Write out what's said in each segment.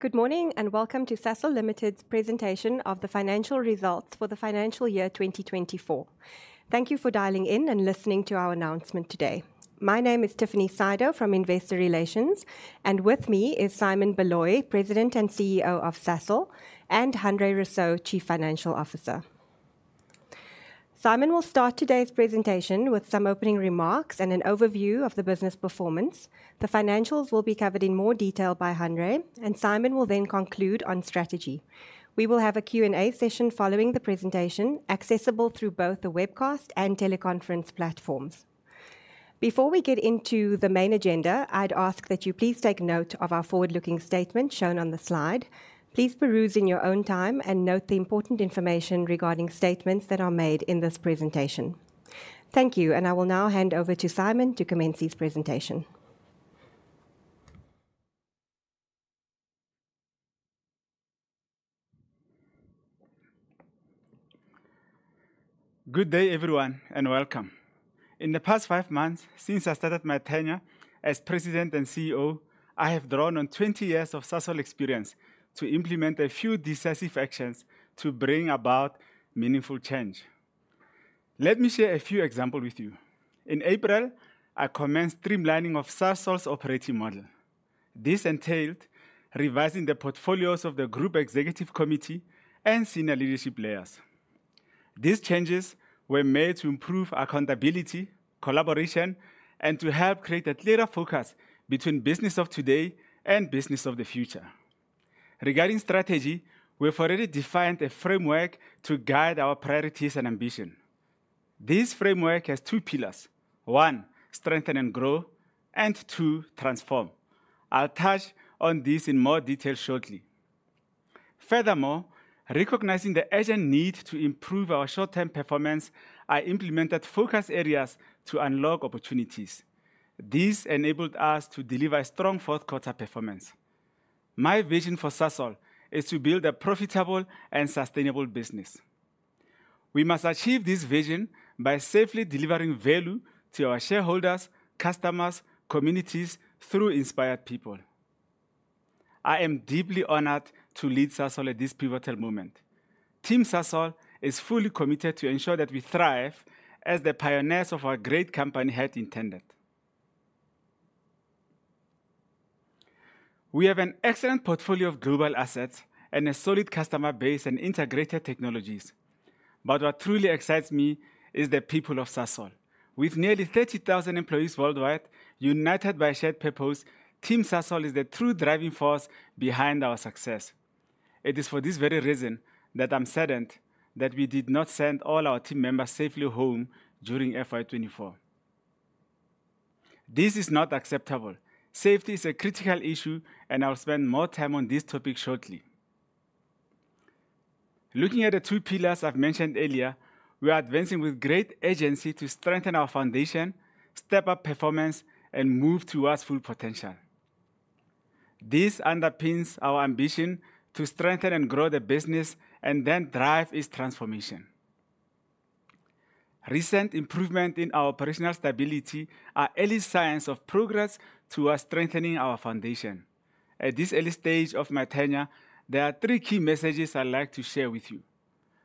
Good morning, and welcome to Sasol Limited's presentation of the financial results for the financial year 2024. Thank you for dialing in and listening to our announcement today. My name is Tiffany Sydow from Investor Relations, and with me is Simon Baloyi, President and CEO of Sasol, and Hanré Rossouw, Chief Financial Officer. Simon will start today's presentation with some opening remarks and an overview of the business performance. The financials will be covered in more detail by Hanré, and Simon will then conclude on strategy. We will have a Q&A session following the presentation, accessible through both the webcast and teleconference platforms. Before we get into the main agenda, I'd ask that you please take note of our forward-looking statement shown on the slide. Please peruse in your own time and note the important information regarding statements that are made in this presentation. Thank you, and I will now hand over to Simon to commence his presentation. Good day, everyone, and welcome. In the past five months, since I started my tenure as President and CEO, I have drawn on 20 years of Sasol experience to implement a few decisive actions to bring about meaningful change. Let me share a few examples with you. In April, I commenced streamlining of Sasol's operating model. This entailed revising the portfolios of the Group Executive Committee and senior leadership layers. These changes were made to improve accountability, collaboration, and to help create a clearer focus between business of today and business of the future. Regarding strategy, we have already defined a framework to guide our priorities and ambition. This framework has two pillars: one, strengthen and grow, and two, transform. I'll touch on this in more detail shortly. Furthermore, recognizing the urgent need to improve our short-term performance, I implemented focus areas to unlock opportunities. This enabled us to deliver a strong fourth quarter performance. My vision for Sasol is to build a profitable and sustainable business. We must achieve this vision by safely delivering value to our shareholders, customers, communities through inspired people. I am deeply honored to lead Sasol at this pivotal moment. Team Sasol is fully committed to ensure that we thrive as the pioneers of our great company had intended. We have an excellent portfolio of global assets and a solid customer base and integrated technologies, but what truly excites me is the people of Sasol. With nearly 30,000 employees worldwide, united by a shared purpose, Team Sasol is the true driving force behind our success. It is for this very reason that I'm saddened that we did not send all our team members safely home during FY 2024. This is not acceptable. Safety is a critical issue, and I'll spend more time on this topic shortly. Looking at the two pillars I've mentioned earlier, we are advancing with great agency to strengthen our foundation, step up performance, and move towards full potential. This underpins our ambition to strengthen and grow the business and then drive its transformation. Recent improvement in our operational stability are early signs of progress towards strengthening our foundation. At this early stage of my tenure, there are three key messages I'd like to share with you.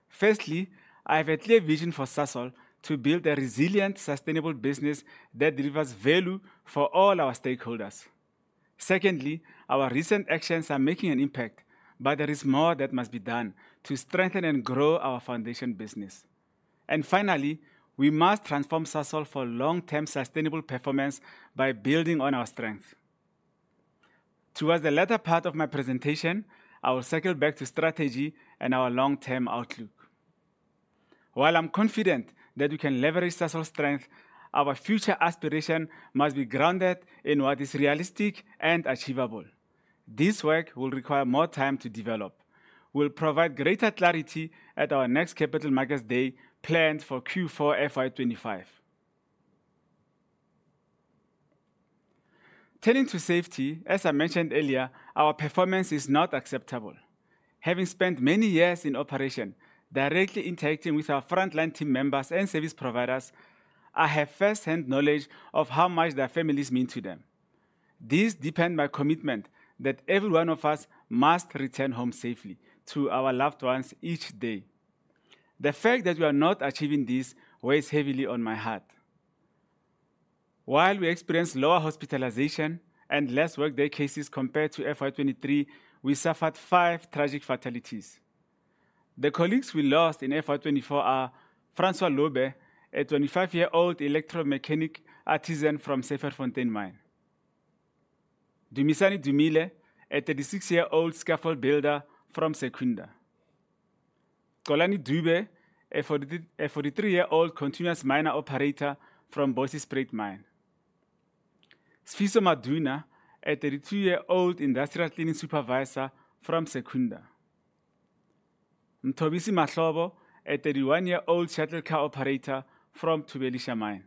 Firstly, I have a clear vision for Sasol: to build a resilient, sustainable business that delivers value for all our stakeholders. Secondly, our recent actions are making an impact, but there is more that must be done to strengthen and grow our foundation business. And finally, we must transform Sasol for long-term sustainable performance by building on our strength. Towards the latter part of my presentation, I will circle back to strategy and our long-term outlook. While I'm confident that we can leverage Sasol's strength, our future aspiration must be grounded in what is realistic and achievable. This work will require more time to develop. We'll provide greater clarity at our next Capital Markets Day, planned for Q4 FY 2025. Turning to safety, as I mentioned earlier, our performance is not acceptable. Having spent many years in operation, directly interacting with our frontline team members and service providers, I have first-hand knowledge of how much their families mean to them. This deepens my commitment that every one of us must return home safely to our loved ones each day. The fact that we are not achieving this weighs heavily on my heart. While we experienced lower hospitalization and less work day cases compared to FY 2023, we suffered five tragic fatalities. The colleagues we lost in FY 2024 are Francois Lobe, a 25-year-old electromechanic artisan from Syferfontein Colliery; Dumisani Dumile, a 36-year-old scaffold builder from Secunda; Colani Dube, a 43-year-old continuous miner operator from Bosjesspruit Colliery; Sipho Maduna, a 32-year-old industrial cleaning supervisor from Secunda; Nthobisi Mahlobo, a 31-year-old shuttle car operator from Thubelisha Colliery.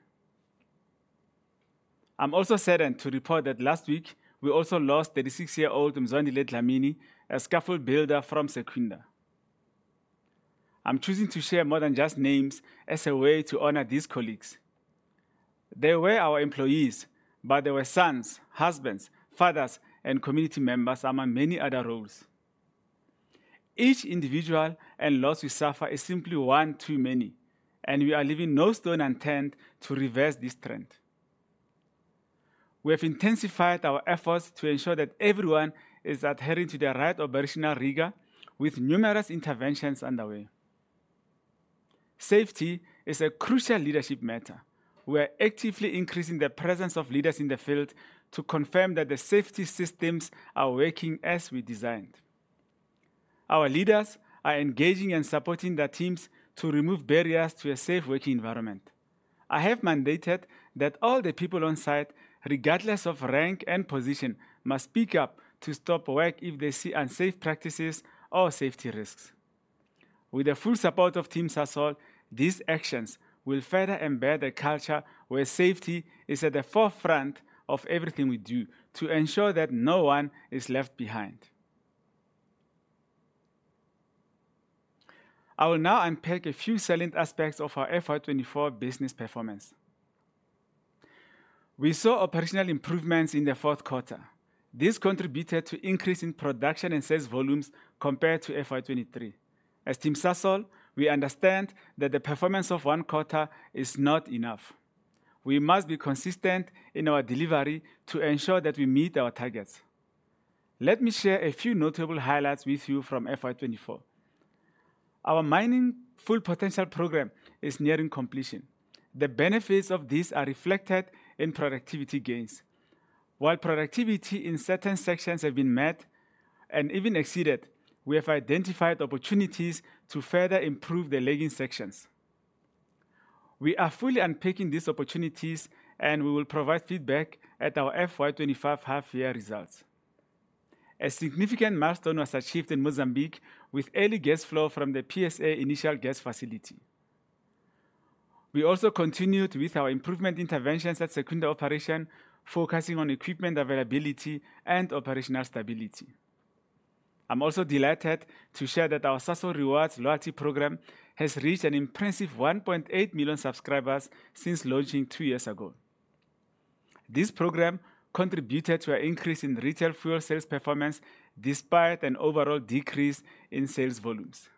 I'm also saddened to report that last week, we also lost 36-year-old Mzwandile Dlamini, a scaffold builder from Secunda. I'm choosing to share more than just names as a way to honor these colleagues. They were our employees, but they were sons, husbands, fathers, and community members, among many other roles. Each individual and loss we suffer is simply one too many, and we are leaving no stone unturned to reverse this trend. We have intensified our efforts to ensure that everyone is adhering to the right operational rigor, with numerous interventions underway. Safety is a crucial leadership matter. We are actively increasing the presence of leaders in the field to confirm that the safety systems are working as we designed. Our leaders are engaging and supporting their teams to remove barriers to a safe working environment. I have mandated that all the people on site, regardless of rank and position, must speak up to stop work if they see unsafe practices or safety risks. With the full support of Team Sasol, these actions will further embed a culture where safety is at the forefront of everything we do to ensure that no one is left behind. I will now unpack a few salient aspects of our FY 2024 business performance. We saw operational improvements in the fourth quarter. This contributed to increase in production and sales volumes compared to FY 2023. As Team Sasol, we understand that the performance of one quarter is not enough. We must be consistent in our delivery to ensure that we meet our targets. Let me share a few notable highlights with you from FY 2024. Our Mining Full Potential program is nearing completion. The benefits of this are reflected in productivity gains. While productivity in certain sections have been met and even exceeded, we have identified opportunities to further improve the lagging sections. We are fully unpacking these opportunities, and we will provide feedback at our FY 2025 half-year results. A significant milestone was achieved in Mozambique with early gas flow from the PSA initial gas facility. We also continued with our improvement interventions at Secunda operation, focusing on equipment availability and operational stability. I'm also delighted to share that our Sasol Rewards loyalty program has reached an impressive 1.8 million subscribers since launching two years ago. This program contributed to an increase in retail fuel sales performance, despite an overall decrease in sales volumes.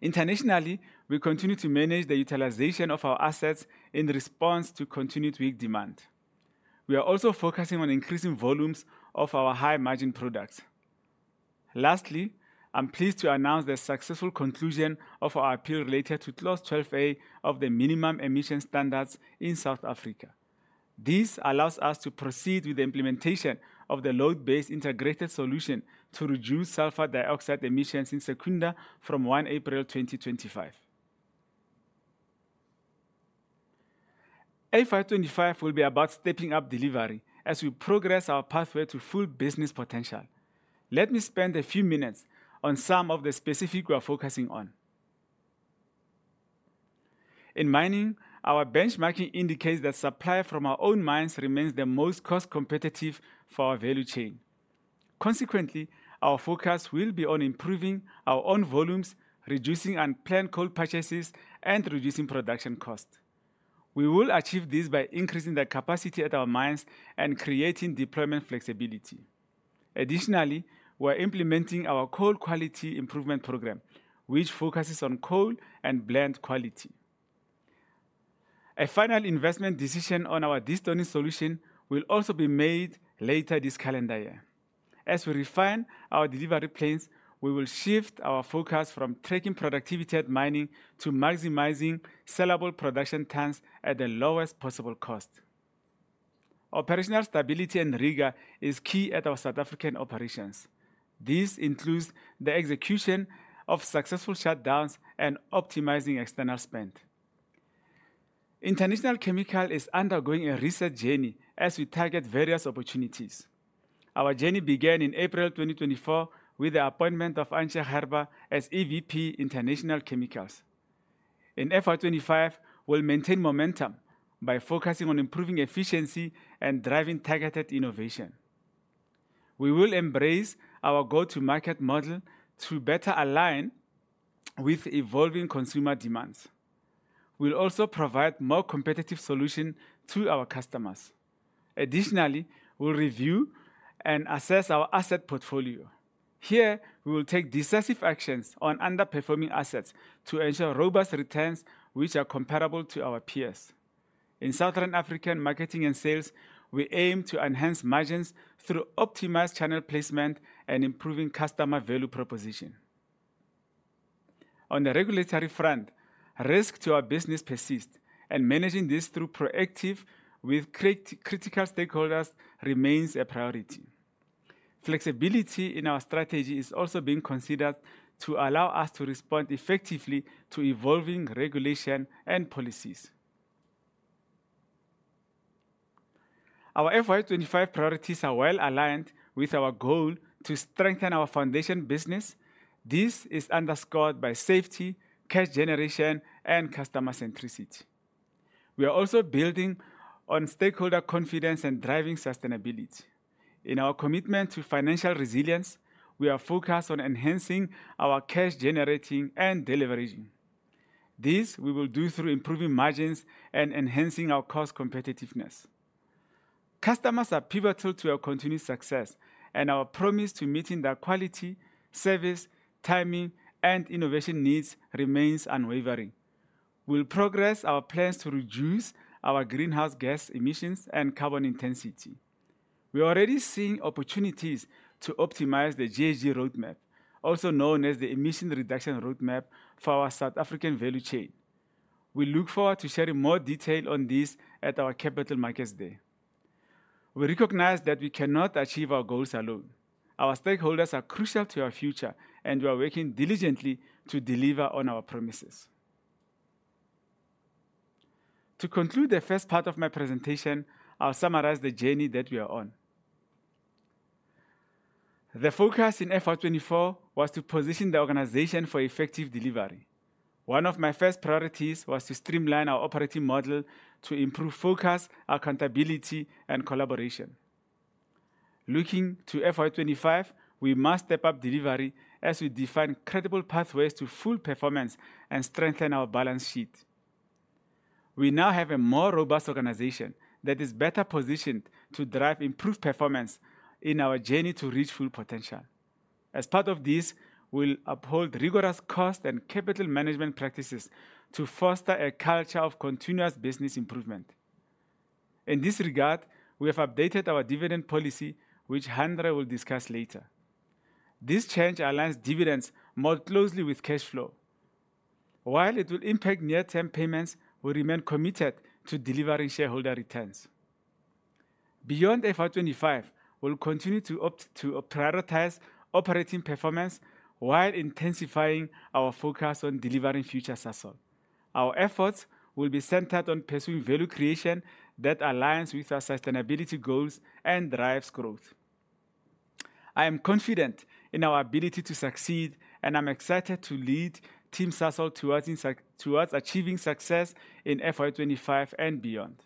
Internationally, we continue to manage the utilization of our assets in response to continued weak demand. We are also focusing on increasing volumes of our high-margin products. Lastly, I'm pleased to announce the successful conclusion of our appeal related to Clause 12A of the Minimum Emission Standards in South Africa. This allows us to proceed with the implementation of the load-based integrated solution to reduce sulfur dioxide emissions in Secunda from 1 April 2025. FY 2025 will be about stepping up delivery as we progress our pathway to full business potential. Let me spend a few minutes on some of the specific we are focusing on. In mining, our benchmarking indicates that supply from our own mines remains the most cost-competitive for our value chain. Consequently, our focus will be on improving our own volumes, reducing unplanned coal purchases, and reducing production cost. We will achieve this by increasing the capacity at our mines and creating deployment flexibility. Additionally, we are implementing our coal quality improvement program, which focuses on coal and blend quality. A final investment decision on our de-stoning solution will also be made later this calendar year. As we refine our delivery plans, we will shift our focus from tracking productivity at mining to maximizing sellable production tons at the lowest possible cost. Operational stability and rigor is key at our South African operations. This includes the execution of successful shutdowns and optimizing external spend. International Chemicals is undergoing a reset journey as we target various opportunities. Our journey began in April 2024 with the appointment of Antje Gerber as EVP, International Chemicals. In FY 2025, we'll maintain momentum by focusing on improving efficiency and driving targeted innovation. We will embrace our go-to-market model to better align with evolving consumer demands. We'll also provide more competitive solution to our customers. Additionally, we'll review and assess our asset portfolio. Here, we will take decisive actions on underperforming assets to ensure robust returns, which are comparable to our peers. In Southern African marketing and sales, we aim to enhance margins through optimized channel placement and improving customer value proposition. On the regulatory front, risk to our business persist, and managing this through proactive with critical stakeholders remains a priority. Flexibility in our strategy is also being considered to allow us to respond effectively to evolving regulation and policies. Our FY 2025 priorities are well aligned with our goal to strengthen our foundation business. This is underscored by safety, cash generation, and customer centricity. We are also building on stakeholder confidence and driving sustainability. In our commitment to financial resilience, we are focused on enhancing our cash generating and deleveraging. This we will do through improving margins and enhancing our cost competitiveness. Customers are pivotal to our continued success, and our promise to meeting their quality, service, timing, and innovation needs remains unwavering. We'll progress our plans to reduce our greenhouse gas emissions and carbon intensity. We are already seeing opportunities to optimize the GHG Roadmap, also known as the Emission Reduction Roadmap, for our South African value chain. We look forward to sharing more detail on this at our Capital Markets Day. We recognize that we cannot achieve our goals alone. Our stakeholders are crucial to our future, and we are working diligently to deliver on our promises. To conclude the first part of my presentation, I'll summarize the journey that we are on. The focus in FY 2024 was to position the organization for effective delivery. One of my first priorities was to streamline our operating model to improve focus, accountability, and collaboration. Looking to FY 2025, we must step up delivery as we define credible pathways to full performance and strengthen our balance sheet. We now have a more robust organization that is better positioned to drive improved performance in our journey to reach full potential. As part of this, we'll uphold rigorous cost and capital management practices to foster a culture of continuous business improvement. In this regard, we have updated our dividend policy, which Hanré will discuss later. This change aligns dividends more closely with cash flow. While it will impact near-term payments, we remain committed to delivering shareholder returns. Beyond FY 2025, we'll continue to opt to prioritize operating performance while intensifying our focus on delivering future Sasol. Our efforts will be centered on pursuing value creation that aligns with our sustainability goals and drives growth. I am confident in our ability to succeed, and I'm excited to lead Team Sasol towards achieving success in FY 2025 and beyond.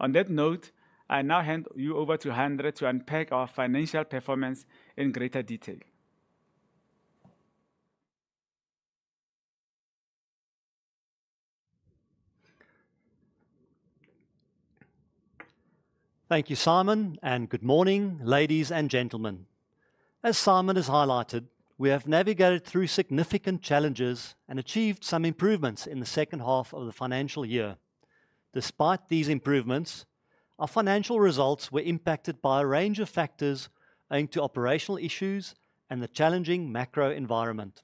On that note, I now hand you over to Hanré to unpack our financial performance in greater detail. Thank you, Simon, and good morning, ladies and gentlemen. As Simon has highlighted, we have navigated through significant challenges and achieved some improvements in the second half of the financial year. Despite these improvements, our financial results were impacted by a range of factors owing to operational issues and the challenging macro environment.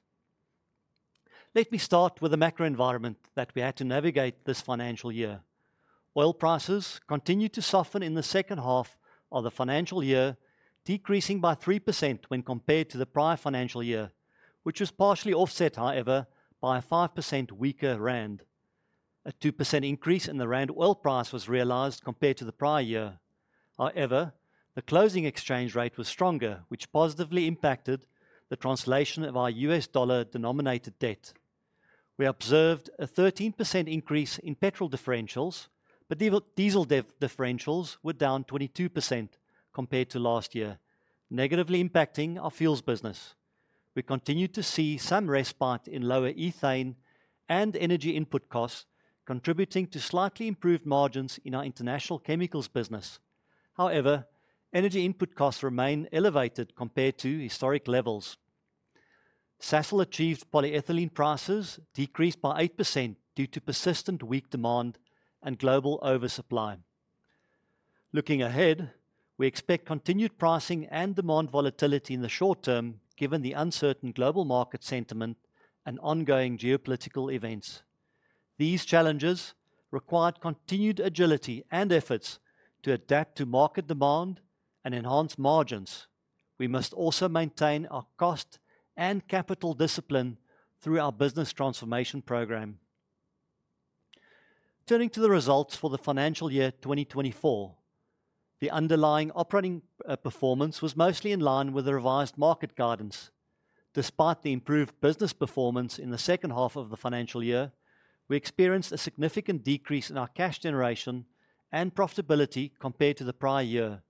Let me start with the macro environment that we had to navigate this financial year. Oil prices continued to soften in the second half of the financial year, decreasing by 3% when compared to the prior-financial year, which was partially offset, however, by a 5% weaker rand. A 2% increase in the rand oil price was realized compared to the prior year. However, the closing exchange rate was stronger, which positively impacted the translation of our U.S. dollar-denominated debt. We observed a 13% increase in petrol differentials, but diesel differentials were down 22% compared to last year, negatively impacting our fuels business. We continued to see some respite in lower ethane and energy input costs, contributing to slightly improved margins in our international chemicals business. However, energy input costs remain elevated compared to historic levels. Sasol's average polyethylene prices decreased by 8% due to persistent weak demand and global oversupply. Looking ahead, we expect continued pricing and demand volatility in the short term, given the uncertain global market sentiment and ongoing geopolitical events. These challenges required continued agility and efforts to adapt to market demand and enhance margins. We must also maintain our cost and capital discipline through our business transformation program. Turning to the results for the financial year 2024, the underlying operating performance was mostly in line with the revised market guidance. Despite the improved business performance in the second half of the financial year, we experienced a significant decrease in our cash generation and profitability compared to the prior year.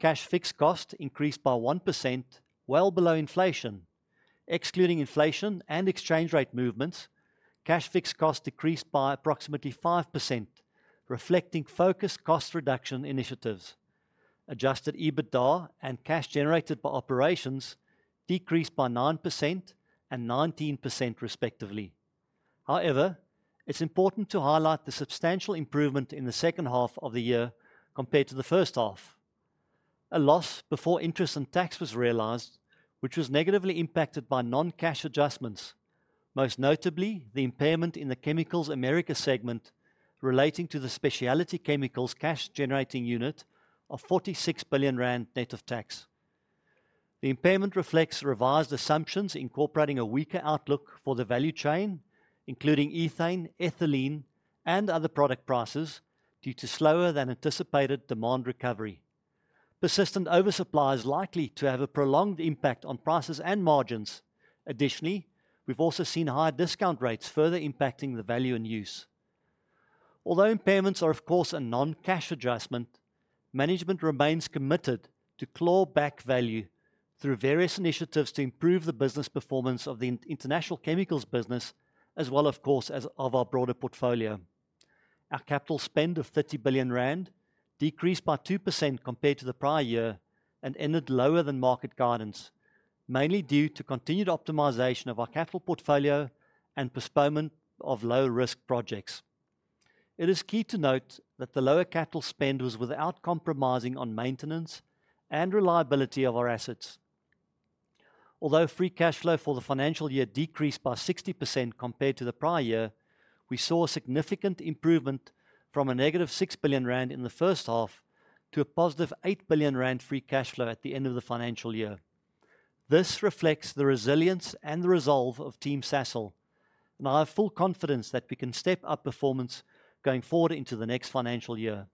Cash fixed cost increased by 1%, well below inflation. Excluding inflation and exchange rate movements, cash fixed cost decreased by approximately 5%, reflecting focused cost reduction initiatives. Adjusted EBITDA and cash generated by operations decreased by 9 and 19%, respectively. However, it's important to highlight the substantial improvement in the second half of the year compared to the first half. A loss before interest and tax was realized, which was negatively impacted by non-cash adjustments, most notably the impairment in the Chemicals America segment relating to the specialty chemicals cash generating unit of 46 billion rand, net of tax. The impairment reflects revised assumptions, incorporating a weaker outlook for the value chain, including ethane, ethylene, and other product prices, due to slower than anticipated demand recovery. Persistent oversupply is likely to have a prolonged impact on prices and margins. Additionally, we've also seen higher discount rates further impacting the value in use. Although impairments are, of course, a non-cash adjustment, management remains committed to clawback value through various initiatives to improve the business performance of the International Chemicals business, as well as, of course, our broader portfolio. Our capital spend of 30 billion rand decreased by 2% compared to the prior year and ended lower than market guidance, mainly due to continued optimization of our capital portfolio and postponement of low-risk projects. It is key to note that the lower capital spend was without compromising on maintenance and reliability of our assets. Although free cash flow for the financial year decreased by 60% compared to the prior year, we saw a significant improvement from a -6 billion rand in the first half to a 8 billion rand free cash flow at the end of the financial year. This reflects the resilience and the resolve of Team Sasol, and I have full confidence that we can step up performance going forward into the next financial year.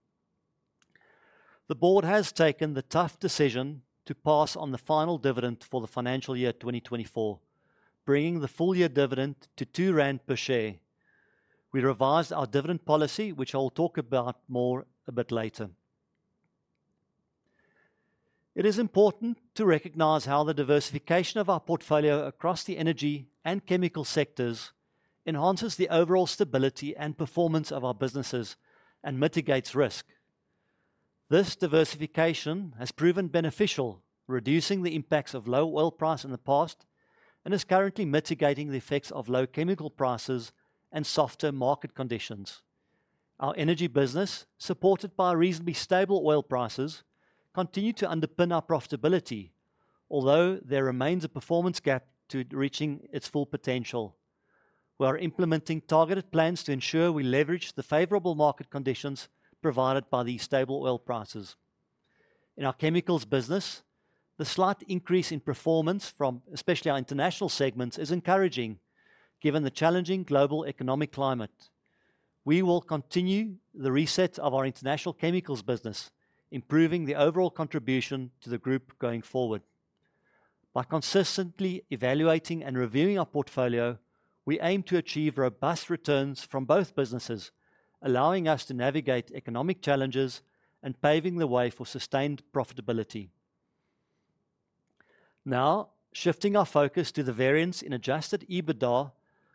The board has taken the tough decision to pass on the final dividend for the financial year 2024, bringing the full-year dividend to 2 rand per share. We revised our dividend policy, which I will talk about more a bit later. It is important to recognize how the diversification of our portfolio across the energy and chemical sectors enhances the overall stability and performance of our businesses and mitigates risk. This diversification has proven beneficial, reducing the impacts of low oil price in the past, and is currently mitigating the effects of low chemical prices and softer market conditions. Our energy business, supported by reasonably stable oil prices, continue to underpin our profitability, although there remains a performance gap to reaching its full potential. We are implementing targeted plans to ensure we leverage the favorable market conditions provided by the stable oil prices. In our chemicals business, the slight increase in performance from especially our international segments is encouraging, given the challenging global economic climate. We will continue the reset of our international chemicals business, improving the overall contribution to the group going forward. By consistently evaluating and reviewing our portfolio, we aim to achieve robust returns from both businesses, allowing us to navigate economic challenges and paving the way for sustained profitability. Now, shifting our focus to the variance in Adjusted EBITDA,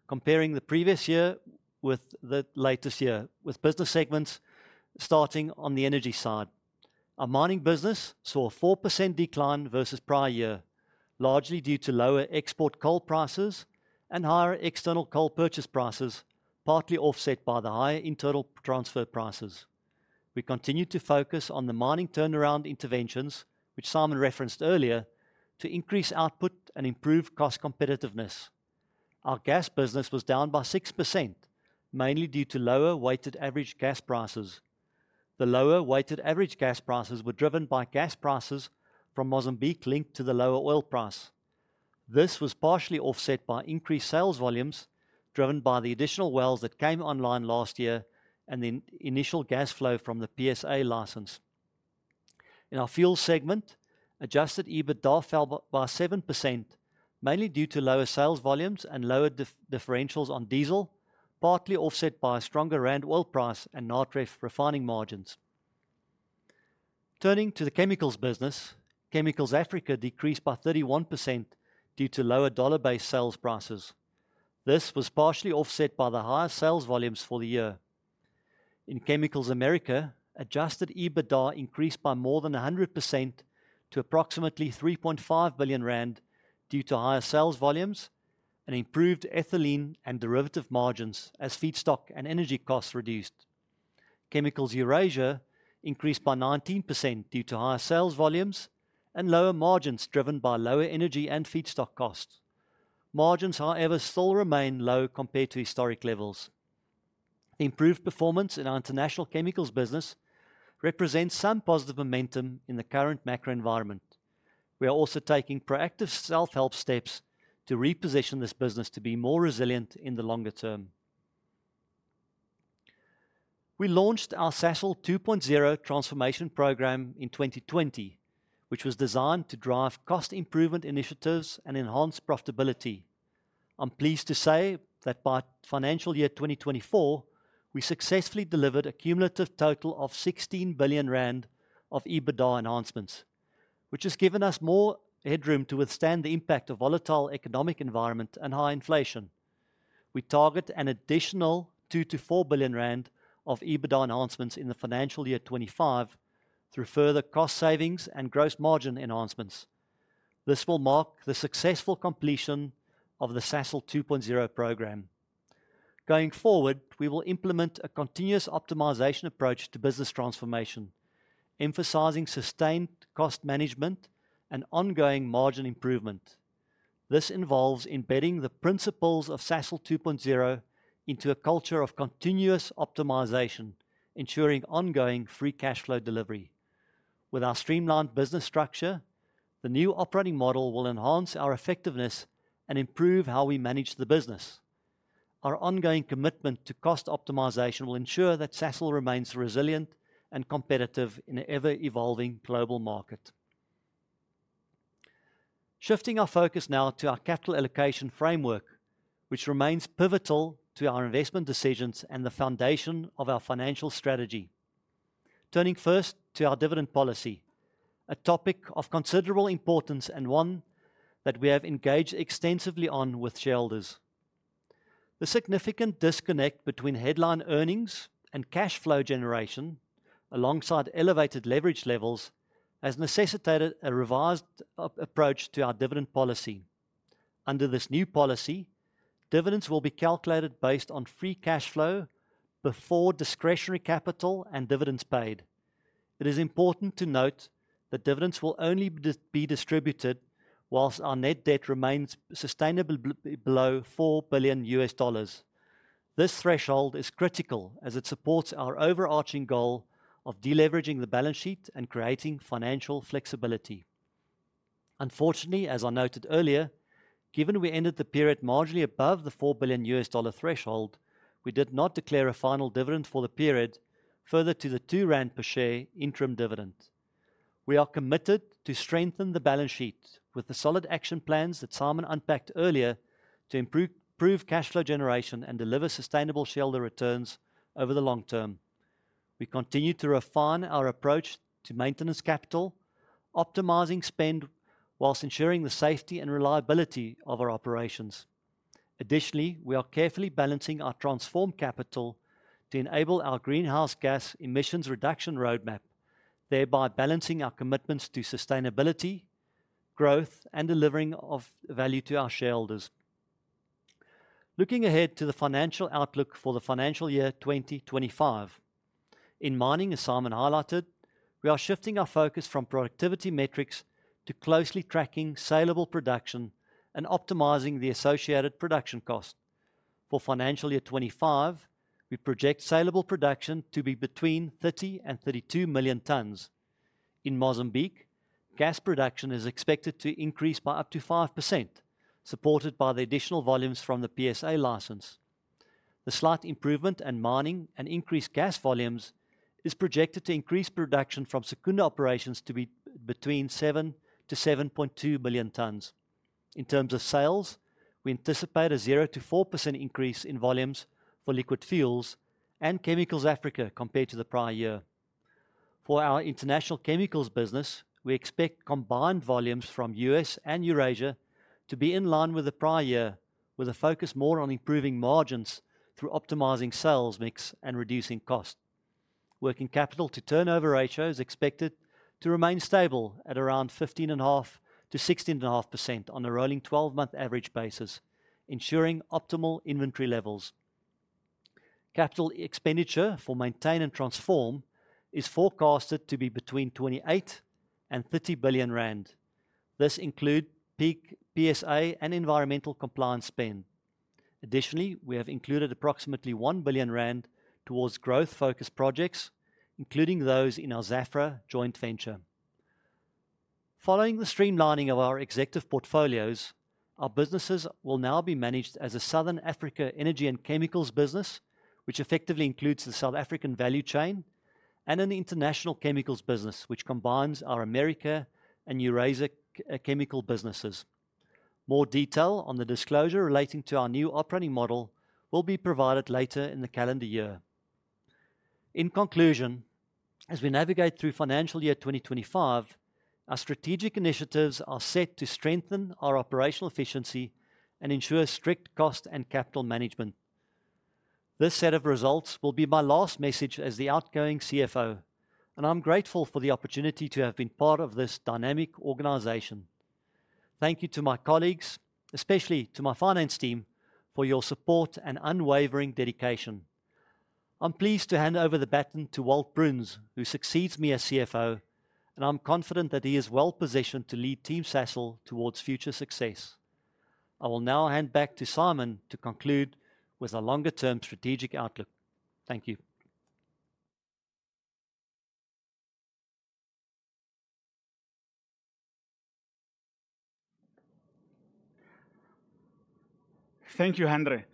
comparing the previous year with the latest year, with business segments starting on the energy side. Our mining business saw a 4% decline versus prior year, largely due to lower export coal prices and higher external coal purchase prices, partly offset by the higher internal transfer prices. We continue to focus on the mining turnaround interventions, which Simon referenced earlier, to increase output and improve cost competitiveness. Our gas business was down by 6%, mainly due to lower weighted average gas prices. The lower weighted average gas prices were driven by gas prices from Mozambique linked to the lower oil price. This was partially offset by increased sales volumes, driven by the additional wells that came online last year and the initial gas flow from the PSA license. In our fuels segment, adjusted EBITDA fell by 7%, mainly due to lower sales volumes and lower differentials on diesel, partly offset by a stronger rand oil price and Natref refining margins. Turning to the chemicals business, Chemicals Africa decreased by 31% due to lower dollar-based sales prices. This was partially offset by the higher sales volumes for the year. In Chemicals America, Adjusted EBITDA increased by more than 100% to approximately 3.5 billion rand due to higher sales volumes and improved ethylene and derivative margins as feedstock and energy costs reduced. Chemicals Eurasia increased by 19% due to higher sales volumes and lower margins driven by lower energy and feedstock costs. Margins, however, still remain low compared to historic levels. Improved performance in our International Chemicals business represents some positive momentum in the current macro environment. We are also taking proactive self-help steps to reposition this business to be more resilient in the longer term. We launched our Sasol 2.0 transformation program in 2020, which was designed to drive cost improvement initiatives and enhance profitability. I'm pleased to say that by financial year 2024, we successfully delivered a cumulative total of 16 billion rand of EBITDA enhancements, which has given us more headroom to withstand the impact of volatile economic environment and high inflation. We target an additional 2-4 billion rand of EBITDA enhancements in the financial year 2025 through further cost savings and gross margin enhancements. This will mark the successful completion of the Sasol 2.0 program. Going forward, we will implement a continuous optimization approach to business transformation, emphasizing sustained cost management and ongoing margin improvement. This involves embedding the principles of Sasol 2.0 into a culture of continuous optimization, ensuring ongoing free cash flow delivery. With our streamlined business structure, the new operating model will enhance our effectiveness and improve how we manage the business. Our ongoing commitment to cost optimization will ensure that Sasol remains resilient and competitive in an ever-evolving global market. Shifting our focus now to our capital allocation framework, which remains pivotal to our investment decisions and the foundation of our financial strategy. Turning first to our dividend policy, a topic of considerable importance and one that we have engaged extensively on with shareholders. The significant disconnect between headline earnings and cash flow generation, alongside elevated leverage levels, has necessitated a revised approach to our dividend policy. Under this new policy, dividends will be calculated based on free cash flow before discretionary capital and dividends paid. It is important to note that dividends will only be distributed while our net debt remains sustainably below $4 billion. This threshold is critical as it supports our overarching goal of deleveraging the balance sheet and creating financial flexibility. Unfortunately, as I noted earlier, given we ended the period marginally above the $4 billion threshold, we did not declare a final dividend for the period, further to the two rand per share interim dividend. We are committed to strengthen the balance sheet with the solid action plans that Simon unpacked earlier to improve cash flow generation and deliver sustainable shareholder returns over the long term. We continue to refine our approach to maintenance capital, optimizing spend while ensuring the safety and reliability of our operations. Additionally, we are carefully balancing our transformation capital to enable our greenhouse gas emissions reduction roadmap, thereby balancing our commitments to sustainability, growth, and delivering of value to our shareholders. Looking ahead to the financial outlook for the financial year 2025. In mining, as Simon highlighted, we are shifting our focus from productivity metrics to closely tracking saleable production and optimizing the associated production cost. For financial year 2025, we project saleable production to be between 30 and 32 million tons. In Mozambique, gas production is expected to increase by up to 5%, supported by the additional volumes from the PSA license. The slight improvement in mining and increased gas volumes is projected to increase production from Secunda operations to be between 7-7.2 billion tons. In terms of sales, we anticipate a 0-4% increase in volumes for liquid fuels and Chemicals Africa, compared to the prior year. For our international chemicals business, we expect combined volumes from U.S. and Eurasia to be in line with the prior year, with a focus more on improving margins through optimizing sales mix and reducing cost. Working capital to turnover ratio is expected to remain stable at around 15.5-16.5% on a rolling twelve-month average basis, ensuring optimal inventory levels. Capital expenditure for maintenance and transformation is forecasted to be between 28 and 30 billion. This includes peak PSA and environmental compliance spend. Additionally, we have included approximately 1 billion rand towards growth-focused projects, including those in our Zafra joint venture. Following the streamlining of our executive portfolios, our businesses will now be managed as a Southern Africa energy and chemicals business, which effectively includes the South African value chain, and an international chemicals business, which combines our Americas and Eurasia chemical businesses. More detail on the disclosure relating to our new operating model will be provided later in the calendar year. In conclusion, as we navigate through financial year 2025, our strategic initiatives are set to strengthen our operational efficiency and ensure strict cost and capital management. This set of results will be my last message as the outgoing CFO, and I'm grateful for the opportunity to have been part of this dynamic organization. Thank you to my colleagues, especially to my finance team, for your support and unwavering dedication. I'm pleased to hand over the baton to Walt Bruns, who succeeds me as CFO, and I'm confident that he is well-positioned to lead Team Sasol towards future success. I will now hand back to Simon to conclude with a longer-term strategic outlook. Thank you. Thank you, Hanré.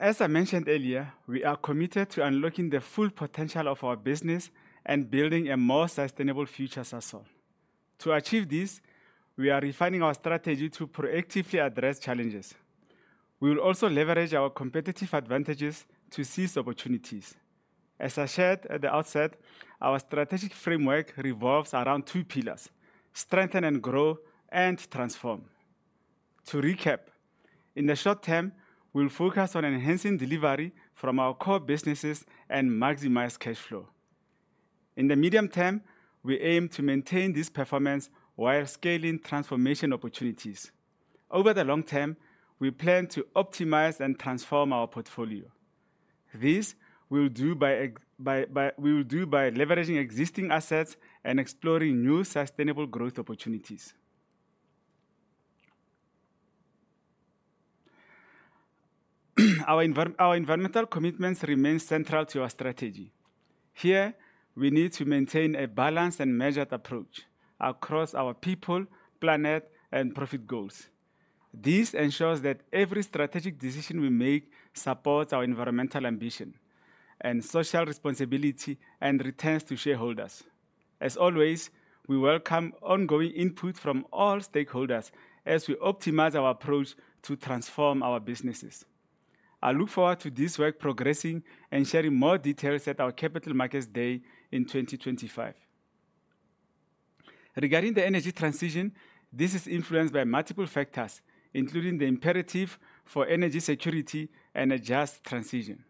As I mentioned earlier, we are committed to unlocking the full potential of our business and building a more sustainable future for Sasol. To achieve this, we are refining our strategy to proactively address challenges. We will also leverage our competitive advantages to seize opportunities. As I shared at the outset, our strategic framework revolves around two pillars: strengthen and grow, and transform. To recap, in the short term, we'll focus on enhancing delivery from our core businesses and maximize cash flow. In the medium term, we aim to maintain this performance while scaling transformation opportunities. Over the long-term, we plan to optimize and transform our portfolio. This we'll do by leveraging existing assets and exploring new sustainable growth opportunities. Our environmental commitments remain central to our strategy. Here, we need to maintain a balanced and measured approach across our people, planet, and profit goals. This ensures that every strategic decision we make supports our environmental ambition and social responsibility, and returns to shareholders. As always, we welcome ongoing input from all stakeholders as we optimize our approach to transform our businesses. I look forward to this work progressing and sharing more details at our Capital Markets Day in 2025. Regarding the energy transition, this is influenced by multiple factors, including the imperative for energy security and a just transition.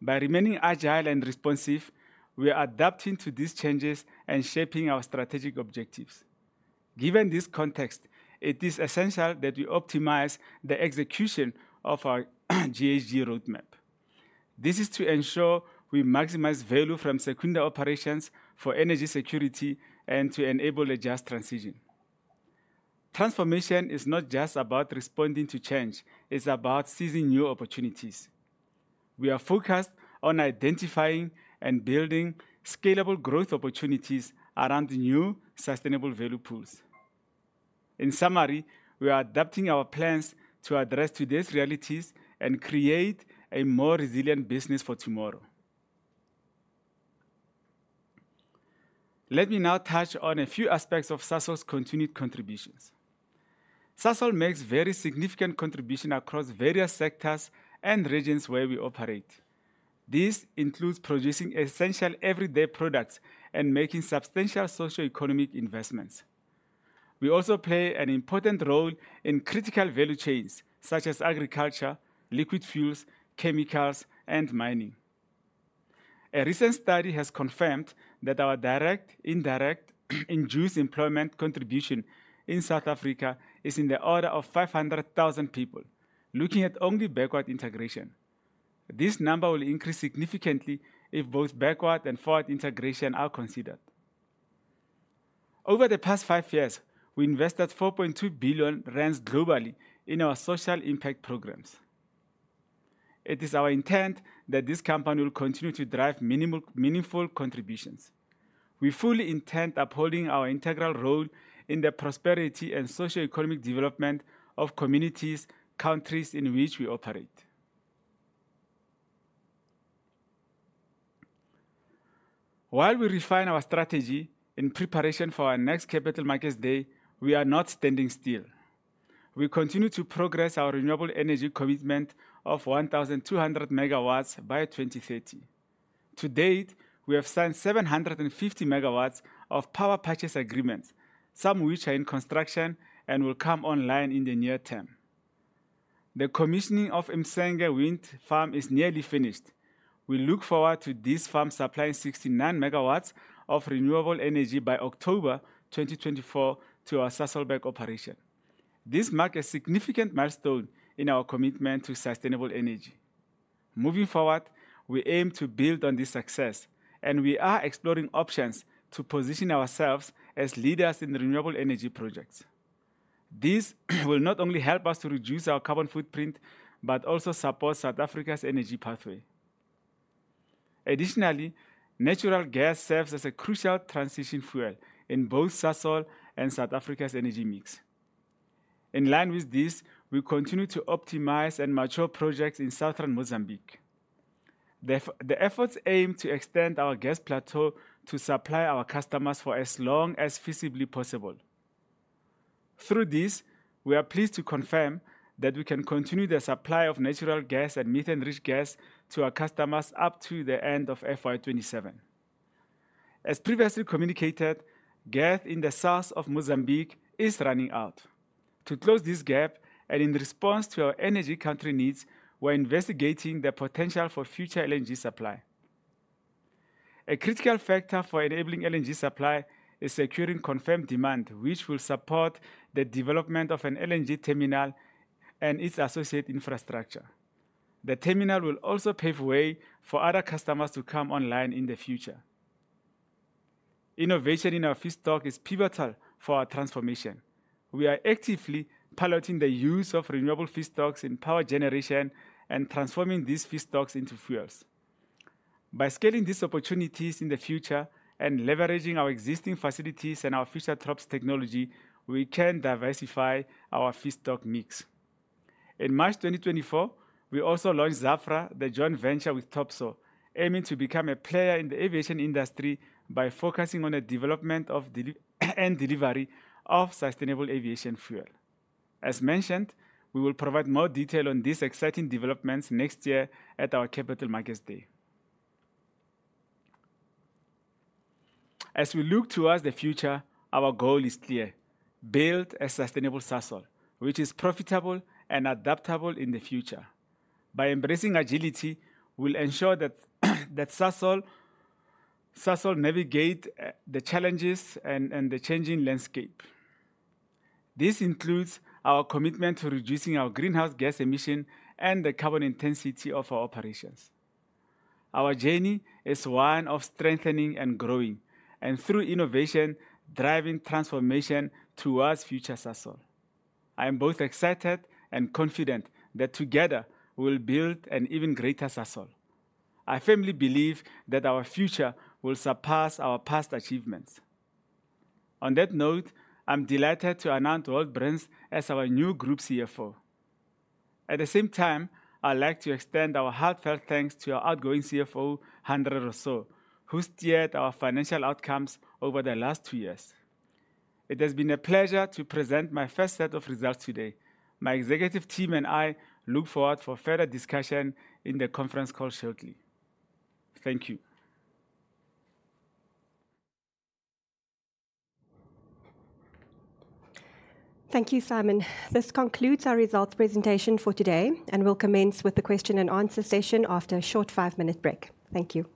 By remaining agile and responsive, we are adapting to these changes and shaping our strategic objectives. Given this context, it is essential that we optimize the execution of our GHG roadmap. This is to ensure we maximize value from Secunda operations for energy security and to enable a just transition. Transformation is not just about responding to change, it's about seizing new opportunities. We are focused on identifying and building scalable growth opportunities around new sustainable value pools. In summary, we are adapting our plans to address today's realities and create a more resilient business for tomorrow. Let me now touch on a few aspects of Sasol's continued contributions. Sasol makes very significant contributions across various sectors and regions where we operate. This includes producing essential everyday products and making substantial socioeconomic investments. We also play an important role in critical value chains such as agriculture, liquid fuels, chemicals, and mining. A recent study has confirmed that our direct, indirect, induced employment contribution in South Africa is in the order of 500,000 people, looking at only backward integration. This number will increase significantly if both backward and forward integration are considered. Over the past five years, we invested 4.2 billion rand globally in our social impact programs. It is our intent that this company will continue to drive meaningful contributions. We fully intend upholding our integral role in the prosperity and socioeconomic development of communities, countries in which we operate. While we refine our strategy in preparation for our next Capital Markets Day, we are not standing still. We continue to progress our renewable energy commitment of 1,200MW by 2030. To date, we have signed 750MW of power purchase agreements, some which are in construction and will come online in the near term. The commissioning of Msenge Emoyeni Wind Farm is nearly finished. We look forward to this farm supplying 69MW of renewable energy by October 2024 to our Sasolburg operation. This marks a significant milestone in our commitment to sustainable energy. Moving forward, we aim to build on this success, and we are exploring options to position ourselves as leaders in renewable energy projects. This will not only help us to reduce our carbon footprint, but also support South Africa's energy pathway. Additionally, natural gas serves as a crucial transition fuel in both Sasol and South Africa's energy mix. In line with this, we continue to optimize and mature projects in southern Mozambique. The efforts aim to extend our gas plateau to supply our customers for as long as feasibly possible. Through this, we are pleased to confirm that we can continue the supply of natural gas and methane-rich gas to our customers up to the end of FY 2027. As previously communicated, gas in the south of Mozambique is running out. To close this gap, and in response to our energy security needs, we're investigating the potential for future LNG supply. A critical factor for enabling LNG supply is securing confirmed demand, which will support the development of an LNG terminal and its associated infrastructure. The terminal will also pave way for other customers to come online in the future. Innovation in our feedstock is pivotal for our transformation. We are actively piloting the use of renewable feedstocks in power generation and transforming these feedstocks into fuels. By scaling these opportunities in the future and leveraging our existing facilities and our Fischer-Tropsch technology, we can diversify our feedstock mix. In March 2024, we also launched Zafra, the joint venture with Topsoe, aiming to become a player in the aviation industry by focusing on the development and delivery of sustainable aviation fuel. As mentioned, we will provide more detail on these exciting developments next year at our Capital Markets Day. As we look towards the future, our goal is clear: build a sustainable Sasol, which is profitable and adaptable in the future. By embracing agility, we'll ensure that Sasol navigate the challenges and the changing landscape. This includes our commitment to reducing our greenhouse gas emission and the carbon intensity of our operations. Our journey is one of strengthening and growing, and through innovation, driving transformation towards future Sasol. I am both excited and confident that together we will build an even greater Sasol. I firmly believe that our future will surpass our past achievements. On that note, I'm delighted to announce Walt Bruns as our new Group CFO. At the same time, I'd like to extend our heartfelt thanks to our outgoing CFO, Hanré Rossouw, who steered our financial outcomes over the last two years. It has been a pleasure to present my first set of results today. My executive team and I look forward to further discussion in the conference call shortly. Thank you. Thank you, Simon. This concludes our results presentation for today, and we'll commence with the question and answer session after a short five-minute break. Thank you.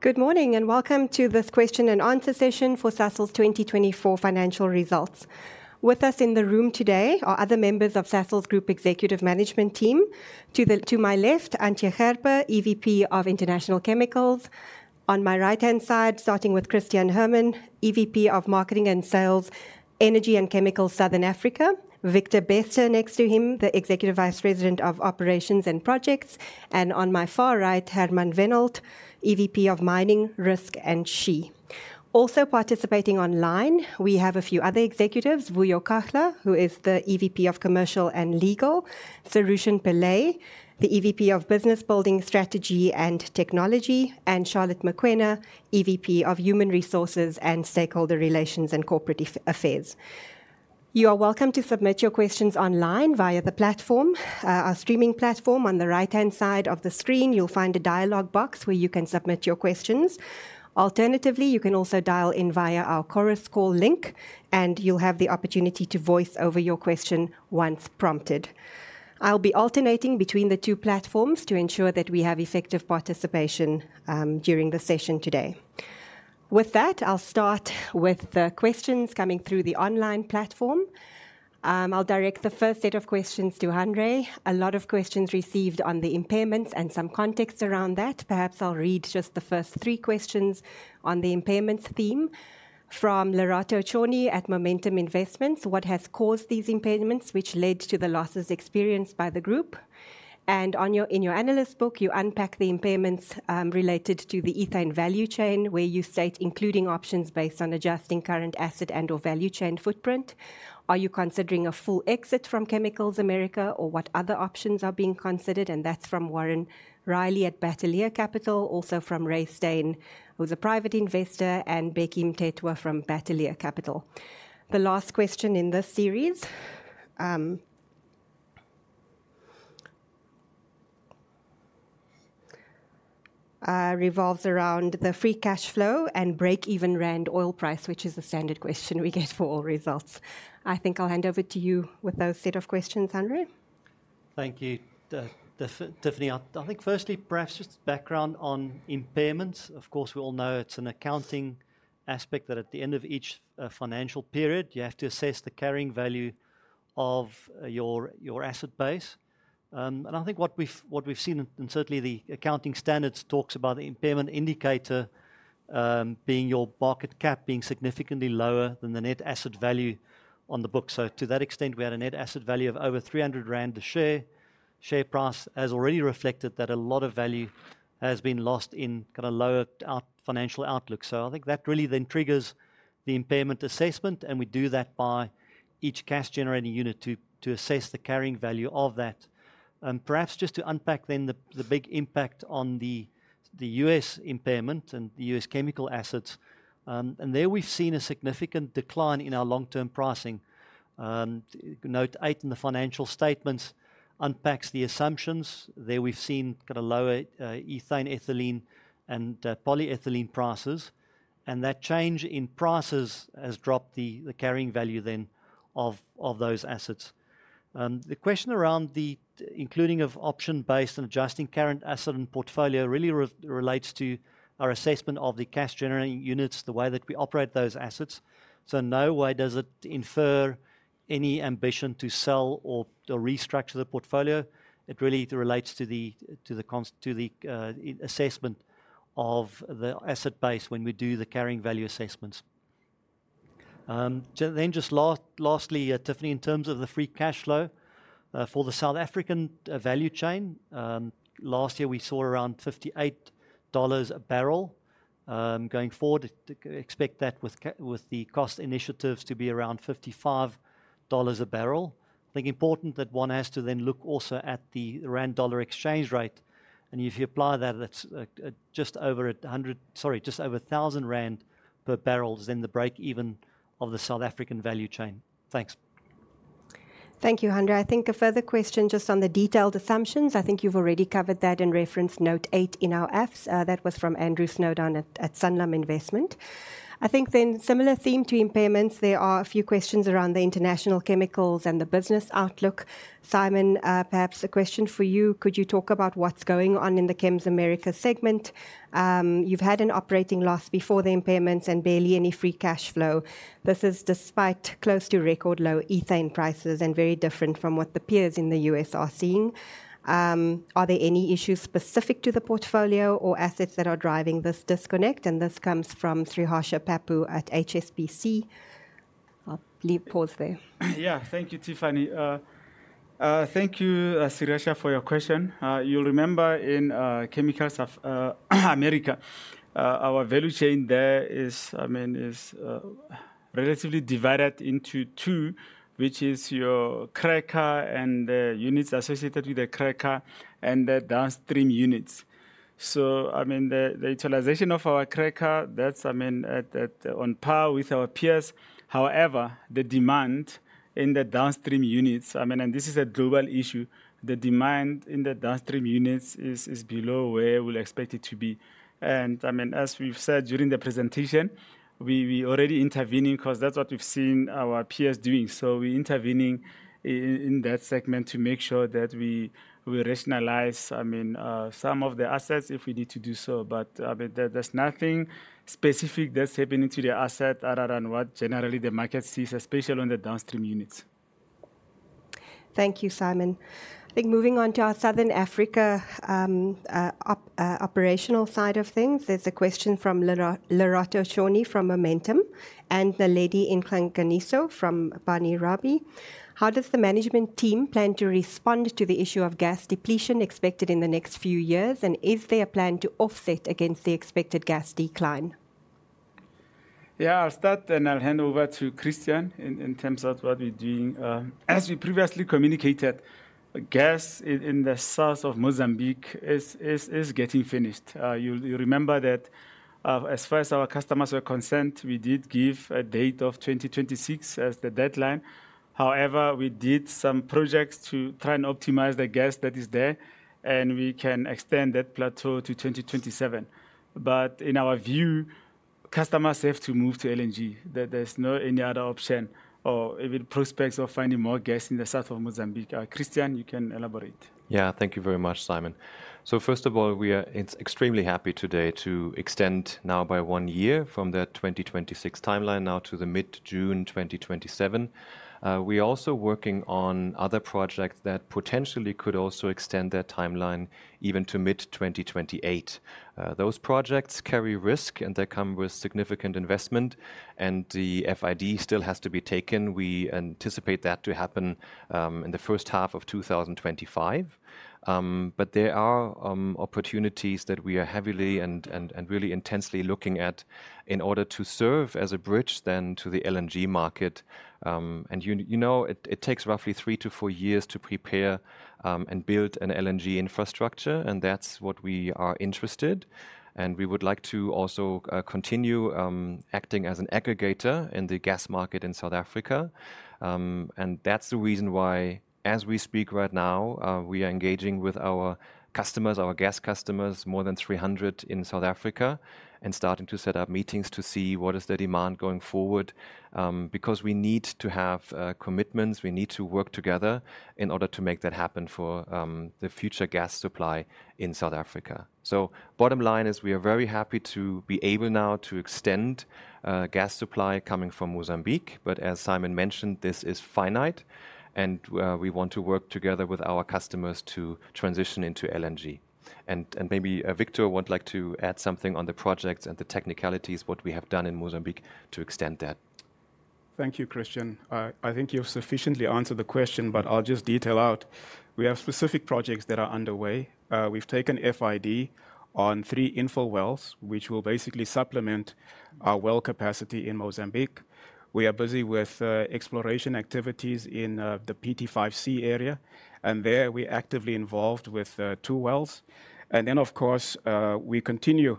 Good morning, and welcome to this question-and-answer session for Sasol's 2024 financial results. With us in the room today are other members of Sasol's group executive management team. To my left, Antje Gerber, EVP of International Chemicals. On my right-hand side, starting with Christian Herrmann, EVP of Marketing and Sales, Energy and Chemicals, Southern Africa. Victor Bester, next to him, the Executive Vice President of Operations and Projects, and on my far right, Hermann Wenhold, EVP of Mining, Risk, and SHE. Also participating online, we have a few other executives: Vuyo Kahla, who is the EVP of Commercial and Legal; Surushen Pillay, the EVP of Business Building, Strategy, and Technology; and Charlotte Mokoena, EVP of Human Resources and Stakeholder Relations and Corporate Affairs. You are welcome to submit your questions online via the platform. Our streaming platform, on the right-hand side of the screen, you'll find a dialogue box where you can submit your questions. Alternatively, you can also dial in via our Chorus Call link, and you'll have the opportunity to voice over your question once prompted. I'll be alternating between the two platforms to ensure that we have effective participation during the session today. With that, I'll start with the questions coming through the online platform. I'll direct the first set of questions to Hanre. A lot of questions received on the impairments and some context around that. Perhaps I'll read just the first three questions on the impairments theme. From Lerato Tshoni at Momentum Investments: "What has caused these impairments, which led to the losses experienced by the group? And on your, in your analyst book, you unpack the impairments related to the ethane value chain, where you state, including options based on adjusting current asset and/or value chain footprint. Are you considering a full exit from Chemicals America, or what other options are being considered?" And that's from Warren Riley at Bateleur Capital, also from Ray Stine, who's a private investor, and Bheki Thethwa from Bateleur Capital. The last question in this series revolves around the free cash flow and break-even rand oil price, which is the standard question we get for all results. I think I'll hand over to you with those set of questions, Hanr`e. Thank you, Tiffany. I think firstly, perhaps just background on impairments. Of course, we all know it's an accounting aspect that at the end of each financial period, you have to assess the carrying value of your asset base. And I think what we've seen, and certainly the accounting standards talks about the impairment indicator being your market cap being significantly lower than the net asset value on the book. So to that extent, we had a net asset value of over 300 rand a share. Share price has already reflected that a lot of value has been lost in kind of lower financial outlook. So I think that really then triggers the impairment assessment, and we do that by each cash-generating unit to assess the carrying value of that. Perhaps just to unpack then the big impact on the U.S. impairment and the U.S. chemical assets, and there we've seen a significant decline in our long-term pricing. Note eight in the financial statements unpacks the assumptions. There we've seen kind of lower ethane, ethylene, and polyethylene prices, and that change in prices has dropped the carrying value then of those assets. The question around the inclusion of option-based and adjusting current asset and portfolio really relates to our assessment of the cash-generating units, the way that we operate those assets. So in no way does it infer any ambition to sell or restructure the portfolio. It really relates to the assessment of the asset base when we do the carrying value assessments. So then just lastly, Tiffany, in terms of the free cash flow, for the South African value chain, last year, we saw around $58 a barrel. Going forward, to expect that with the cost initiatives to be around $55 a barrel. I think important that one has to then look also at the rand-dollar exchange rate, and if you apply that, that's just over a 100 sorry, just over 1,000 rand per barrel is then the breakeven of the South African value chain. Thanks. Thank you, Hanr`e. I think a further question just on the detailed assumptions. I think you've already covered that in reference note eight in our apps. That was from Hanr`y Snowden at Sanlam Investments. I think then similar theme to impairments, there are a few questions around the international chemicals and the business outlook. Simon, perhaps a question for you: Could you talk about what's going on in the Chems Americas segment? You've had an operating loss before the impairments and barely any free cash flow. This is despite close to record low ethane prices and very different from what the peers in the U.S. are seeing. Are there any issues specific to the portfolio or assets that are driving this disconnect? And this comes from Sriharsha Pappu at HSBC. I'll pause there. Yeah. Thank you, Tiffany. Thank you, Sriharsha, for your question. You'll remember in Chemicals America, our value chain there is, I mean, is relatively divided into two, which is your cracker and units associated with the cracker and the downstream units. So I mean, the utilization of our cracker, that's, I mean, on par with our peers. However, the demand in the downstream units, I mean, and this is a global issue, the demand in the downstream units is below where we'll expect it to be. And I mean, as we've said during the presentation, we're already intervening 'cause that's what we've seen our peers doing. So we're intervening in that segment to make sure that we rationalize, I mean, some of the assets if we need to do so. But, I mean, there, there's nothing specific that's happening to the asset other than what generally the market sees, especially on the downstream units. Thank you, Simon. I think moving on to our Southern Africa operational side of things, there's a question from Lerato Choni from Momentum, and Naledi Nkenke from Pan-African: How does the management team plan to respond to the issue of gas depletion expected in the next few years, and is there a plan to offset against the expected gas decline? Yeah, I'll start, and I'll hand over to Christian in terms of what we're doing. As we previously communicated, gas in the south of Mozambique is getting finished. You remember that, as far as our customers were concerned, we did give a date of 2026 as the deadline. However, we did some projects to try and optimize the gas that is there, and we can extend that plateau to 2027. But in our view, customers have to move to LNG. There's no any other option or even prospects of finding more gas in the south of Mozambique. Christian, you can elaborate. Yeah. Thank you very much, Simon. So first of all, we are extremely happy today to extend now by one year from the 2026 timeline now to the mid-June 2027. We're also working on other projects that potentially could also extend that timeline even to mid-2028. Those projects carry risk, and they come with significant investment, and the FID still has to be taken. We anticipate that to happen in the first half of 2025. But there are opportunities that we are heavily and really intensely looking at in order to serve as a bridge then to the LNG market. And you know, it takes roughly three to four years to prepare and build an LNG infrastructure, and that's what we are interested. We would like to also continue acting as an aggregator in the gas market in South Africa. And that's the reason why, as we speak right now, we are engaging with our customers, our gas customers, more than three hundred in South Africa, and starting to set up meetings to see what is the demand going forward. Because we need to have commitments, we need to work together in order to make that happen for the future gas supply in South Africa. So bottom line is, we are very happy to be able now to extend gas supply coming from Mozambique, but as Simon mentioned, this is finite, and we want to work together with our customers to transition into LNG. Maybe Victor would like to add something on the projects and the technicalities, what we have done in Mozambique to extend that. Thank you, Christian. I think you've sufficiently answered the question, but I'll just detail out. We have specific projects that are underway. We've taken FID on three infill wells, which will basically supplement our well capacity in Mozambique. We are busy with exploration activities in the PT5-C area, and there we're actively involved with two wells. And then, of course, we continue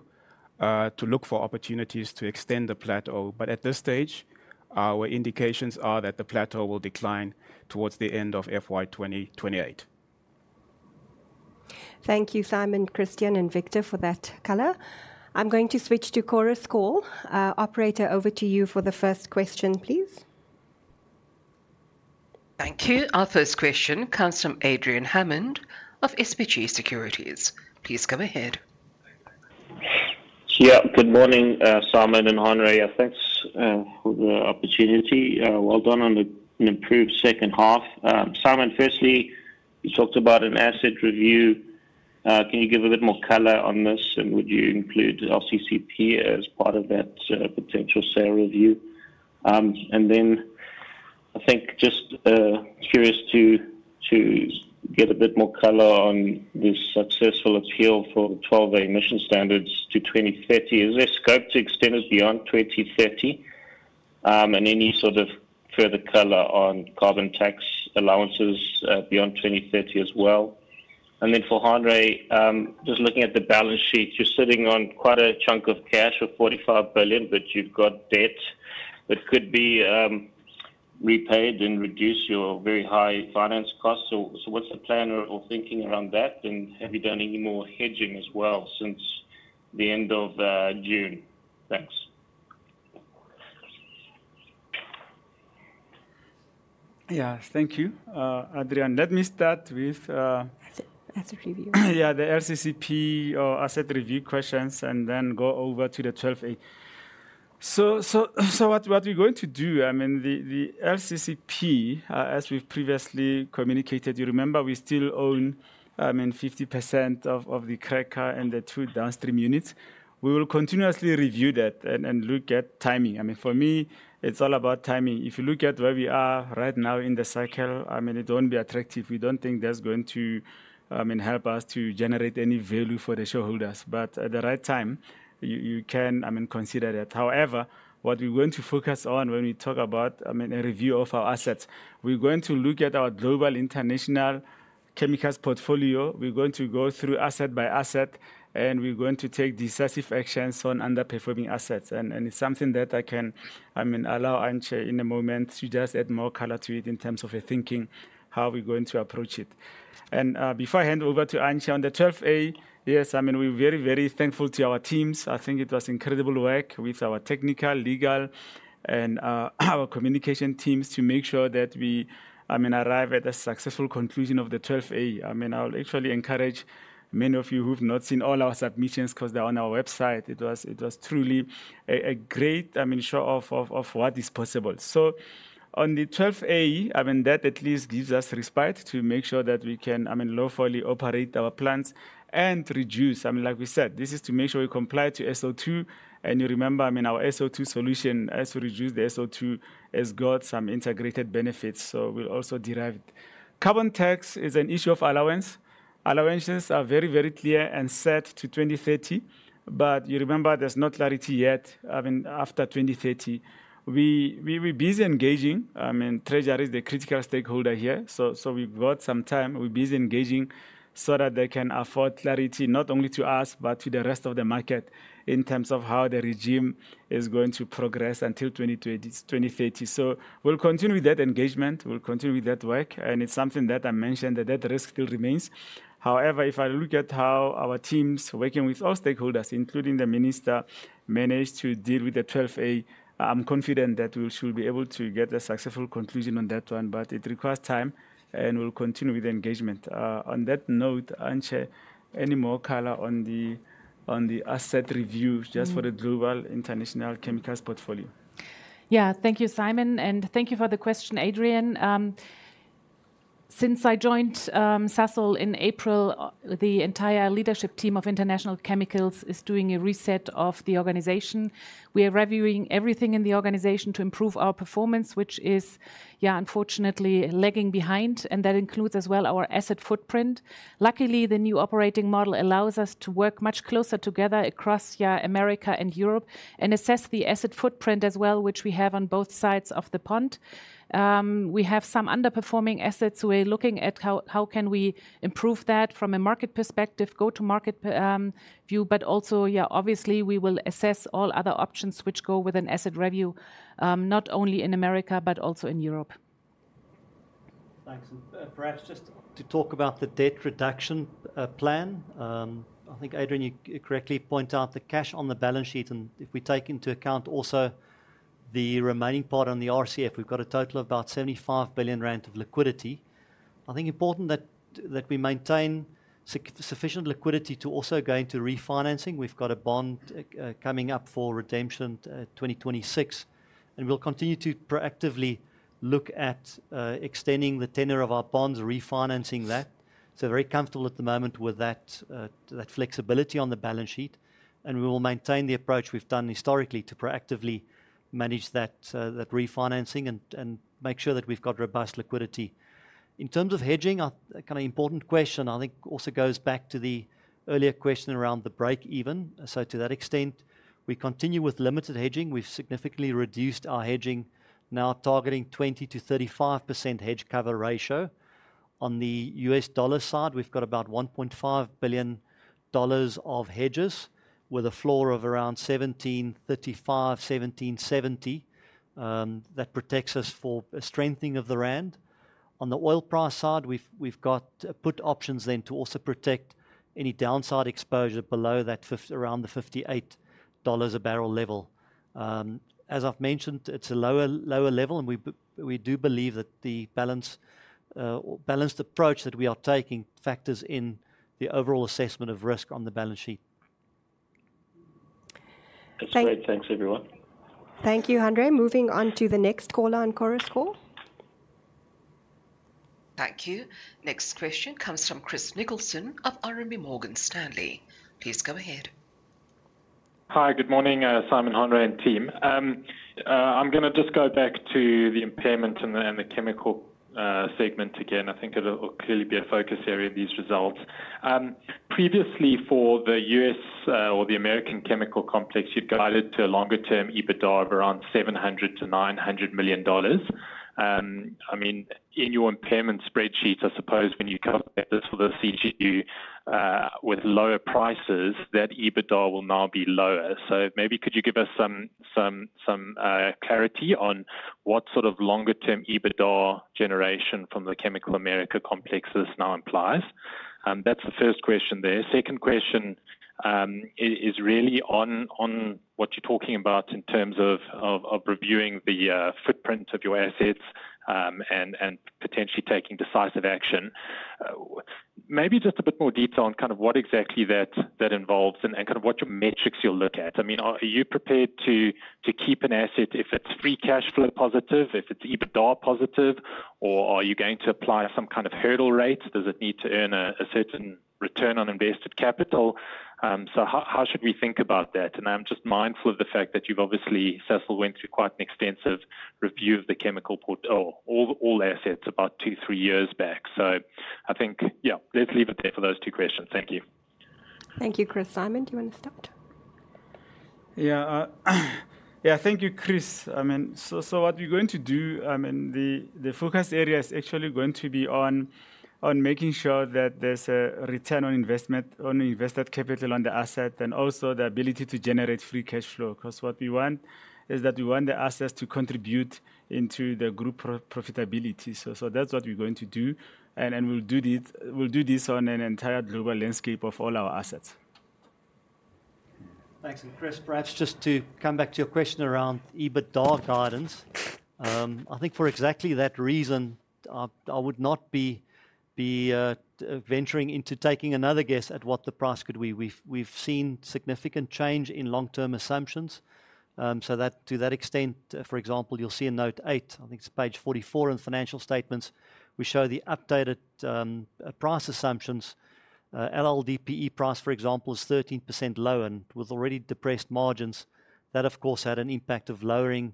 to look for opportunities to extend the plateau, but at this stage, our indications are that the plateau will decline towards the end of FY 2028. Thank you, Simon, Christian, and Victor, for that color. I'm going to switch to Chorus Call. Operator, over to you for the first question, please. Thank you. Our first question comes from Adrian Hammond of SBG Securities. Please go ahead. Yeah, good morning, Simon and Hanr`e. Thanks for the opportunity. Well done on an improved second half. Simon, firstly, you talked about an asset review. Can you give a bit more color on this, and would you include LCCP as part of that potential sale review? And then I think just curious- ..to get a bit more color on the successful appeal for the 12A emission standards to 2030. Is there scope to extend it beyond 2030? And any sort of further color on carbon tax allowances, beyond 2030 as well? And then for Hanré, just looking at the balance sheet, you're sitting on quite a chunk of cash of 45 billion, but you've got debt that could be repaid and reduce your very high finance costs. So what's the plan or thinking around that? And have you done any more hedging as well since the end of June? Thanks. Yeah. Thank you, Adrian. Let me start with- Asset review. Yeah, the LCCP or asset review questions, and then go over to the 12A. So what we're going to do, I mean, the LCCP, as we've previously communicated, you remember we still own, I mean, 50% of the cracker and the two downstream units. We will continuously review that and look at timing. I mean, for me, it's all about timing. If you look at where we are right now in the cycle, I mean, it won't be attractive. We don't think that's going to help us to generate any value for the shareholders. But at the right time, you can, I mean, consider that. However, what we're going to focus on when we talk about, I mean, a review of our assets, we're going to look at our global international chemicals portfolio. We're going to go through asset by asset, and we're going to take decisive actions on underperforming assets. And it's something that I can, I mean, allow Antje in a moment to just add more color to it in terms of her thinking, how we're going to approach it. And before I hand over to Antje, on the 12A, yes, I mean, we're very, very thankful to our teams. I think it was incredible work with our technical, legal, and our communication teams to make sure that we, I mean, arrive at a successful conclusion of the 12A. I mean, I would actually encourage many of you who've not seen all our submissions 'cause they're on our website. It was truly a great, I mean, show of what is possible. So on the 12A, I mean, that at least gives us respite to make sure that we can, I mean, lawfully operate our plants and reduce. I mean, like we said, this is to make sure we comply to SO2. And you remember, I mean, our SO2 solution, as we reduce the SO2, has got some integrated benefits, so we'll also derive it. Carbon tax is an issue of allowance. Allowances are very, very clear and set to 2030, but you remember, there's no clarity yet, I mean, after 2030. We're busy engaging, I mean, Treasury is the critical stakeholder here. So we've got some time. We're busy engaging so that they can afford clarity not only to us but to the rest of the market in terms of how the regime is going to progress until 2030. So we'll continue with that engagement, we'll continue with that work, and it's something that I mentioned, that that risk still remains. However, if I look at how our teams, working with all stakeholders, including the Minister, managed to deal with the 12A, I'm confident that we should be able to get a successful conclusion on that one, but it requires time, and we'll continue with the engagement. On that note, Antje, any more color on the asset review just for the Global International Chemicals portfolio? Yeah. Thank you, Simon, and thank you for the question, Adrian. Since I joined Sasol in April, the entire leadership team of International Chemicals is doing a reset of the organization. We are reviewing everything in the organization to improve our performance, which is, yeah, unfortunately lagging behind, and that includes as well, our asset footprint. Luckily, the new operating model allows us to work much closer together across, yeah, America and Europe, and assess the asset footprint as well, which we have on both sides of the pond. We have some underperforming assets, we're looking at how we can improve that from a market perspective, go-to-market view, but also, yeah, obviously, we will assess all other options which go with an asset review, not only in America but also in Europe. Thanks. And, perhaps just to talk about the debt reduction plan. I think, Adrian, you correctly point out the cash on the balance sheet, and if we take into account also the remaining part on the RCF, we've got a total of about 75 billion rand of liquidity. I think important that we maintain sufficient liquidity to also go into refinancing. We've got a bond coming up for redemption, 2026, and we'll continue to proactively look at extending the tenure of our bonds, refinancing that. So very comfortable at the moment with that flexibility on the balance sheet, and we will maintain the approach we've done historically to proactively manage that refinancing and make sure that we've got robust liquidity. In terms of hedging, a kind of important question, I think, also goes back to the earlier question around the breakeven. So to that extent, we continue with limited hedging. We've significantly reduced our hedging, now targeting 20-35% hedge cover ratio. On the U.S. dollar side, we've got about $1.5 billion of hedges, with a floor of around 17.35-17.70. That protects us for a strengthening of the rand. On the oil price side, we've got put options to also protect any downside exposure below around the $58 a barrel level. As I've mentioned, it's a lower level, and we do believe that the balanced approach that we are taking factors in the overall assessment of risk on the balance sheet. That's great. Thanks, everyone. Thank you, Hanre. Moving on to the next caller on Chorus Call. Thank you. Next question comes from Chris Nicholson of RMB Morgan Stanley. Please go ahead. Hi, good morning, Simon, Hanr`e, and team. I'm gonna just go back to the impairment and the chemical segment again. I think it'll clearly be a focus area of these results. Previously, for the U.S. or the American chemical complex, you'd guided to a longer-term EBITDA of around $700-900 million. I mean, in your impairment spreadsheets, I suppose when you calculate this for the CGU with lower prices, that EBITDA will now be lower. So maybe could you give us some clarity on what sort of longer-term EBITDA generation from the chemical America complexes now implies? That's the first question there. Second question, is really on what you're talking about in terms of reviewing the footprint of your assets, and potentially taking decisive action. Maybe just a bit more detail on kind of what exactly that involves and kind of what your metrics you'll look at. I mean, are you prepared to keep an asset if it's free cash flow positive, if it's EBITDA positive, or are you going to apply some kind of hurdle rate? Does it need to earn a certain return on invested capital? So how should we think about that? And I'm just mindful of the fact that you've obviously, Sasol went through quite an extensive review of the chemical portfolio or all assets about two, three years back. I think, yeah, let's leave it there for those two questions. Thank you. Thank you, Chris. Simon, do you want to start? Yeah, yeah, thank you, Chris. I mean, so, so what we're going to do. The focus area is actually going to be on making sure that there's a return on investment, on invested capital on the asset, and also the ability to generate free cash flow. 'Cause what we want is that we want the assets to contribute into the group profitability. So, that's what we're going to do, and then we'll do this on an entire global landscape of all our assets. Thanks. Chris, perhaps just to come back to your question around EBITDA guidance. I think for exactly that reason, I would not be venturing into taking another guess at what the price could be. We've seen significant change in long-term assumptions, so that, to that extent, for example, you'll see in note 8, I think it's page 44 in financial statements, we show the updated price assumptions. LLDPE price, for example, is 13% lower, and with already depressed margins, that, of course, had an impact of lowering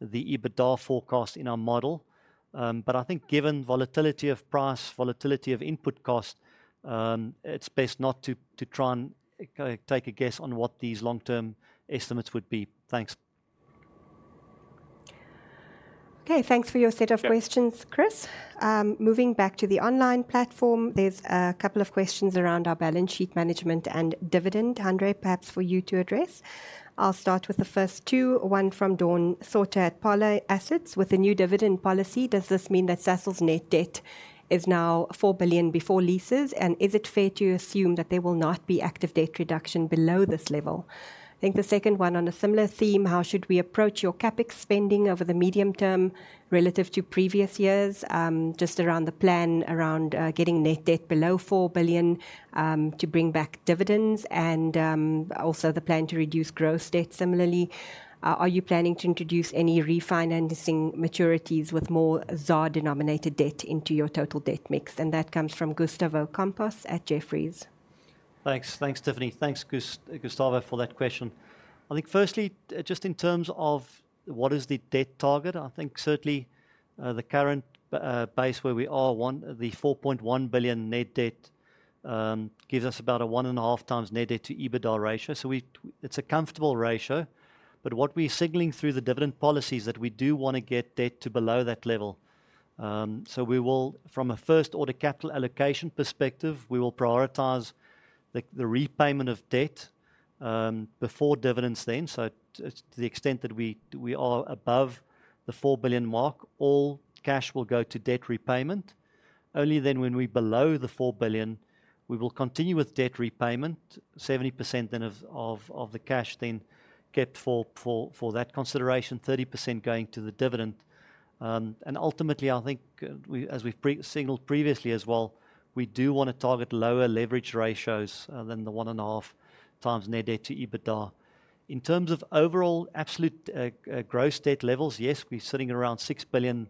the EBITDA forecast in our model. But I think given volatility of price, volatility of input cost, it's best not to try and take a guess on what these long-term estimates would be. Thanks. Okay, thanks for your set of questions, Chris. Moving back to the online platform, there's a couple of questions around our balance sheet management and dividend. Hanré, perhaps for you to address. I'll start with the first two, one from Dawn So``uter at Parley Assets: With the new dividend policy, does this mean that Sasol's net debt is now 4 billion before leases? And is it fair to assume that there will not be active debt reduction below this level? I think the second one on a similar theme: How should we approach your CapEx spending over the medium term relative to previous years? Just around the plan around getting net debt below 4 billion to bring back dividends and also the plan to reduce gross debt similarly. Are you planning to introduce any refinancing maturities with more ZAR-denominated debt into your total debt mix? That comes from Gustavo Campos at Jefferies. Thanks. Thanks, Tiffany. Thanks, Gustavo, for that question. I think firstly, just in terms of what is the debt target, I think certainly, the current base where we are, the $4.1 billion net debt gives us about a one and a half times net debt to EBITDA ratio. So it's a comfortable ratio, but what we're signaling through the dividend policy is that we do wanna get debt to below that level. So we will, from a first-order capital allocation perspective, we will prioritize the repayment of debt before dividends then. So to the extent that we are above the $4 billion mark, all cash will go to debt repayment. Only then, when we're below the $4 billion, we will continue with debt repayment, 70% then of the cash then kept for that consideration, 30% going to the dividend. And ultimately, I think, we, as we've pre-signaled previously as well, we do wanna target lower leverage ratios than the one and a half times net debt to EBITDA. In terms of overall absolute, gross debt levels, yes, we're sitting around $6 billion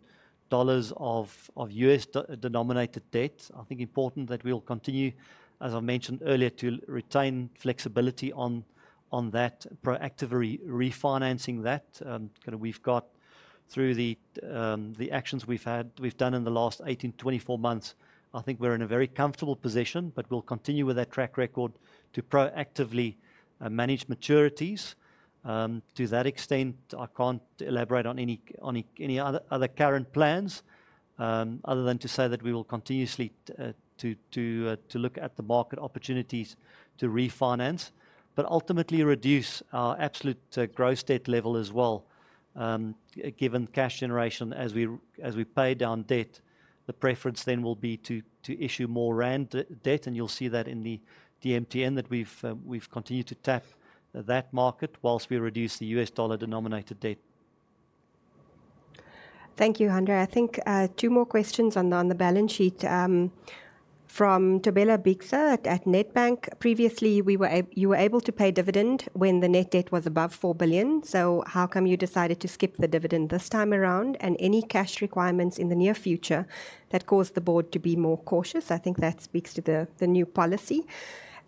of U.S. dollar-denominated debt. I think important that we will continue, as I mentioned earlier, to retain flexibility on that, proactively refinancing that. Kind of we've got through the actions we've had, we've done in the last 18-24 months, I think we're in a very comfortable position, but we'll continue with that track record to proactively manage maturities. To that extent, I can't elaborate on any other current plans other than to say that we will continuously look at the market opportunities to refinance, but ultimately reduce our absolute gross debt level as well. Given cash generation, as we pay down debt, the preference then will be to issue more rand-denominated debt, and you'll see that in the DMTN, we've continued to tap that market while we reduce the U.S. dollar-denominated debt. Thank you, Hanr`e. I think, two more questions on the balance sheet. From Thobela Bixa at Nedbank. Previously, you were able to pay dividend when the net debt was above 4 billion, so how come you decided to skip the dividend this time around? And any cash requirements in the near future that caused the board to be more cautious? I think that speaks to the new policy.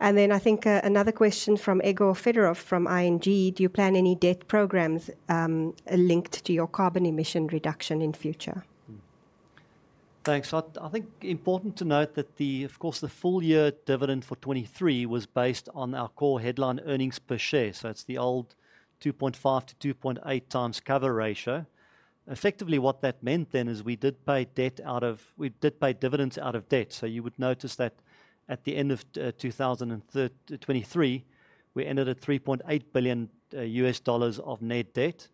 And then I think, another question from Igor Fedorov from ING: Do you plan any debt programs, linked to your carbon emission reduction in future? Thanks. So I think important to note that. Of course, the full-year dividend for 2023 was based on our core headline earnings per share, so it's the old 2.5-2.8x cover ratio. Effectively, what that meant then is we did pay debt out of- we did pay dividends out of debt. So you would notice that at the end of 2023, we ended at $3.8 billion of net debt,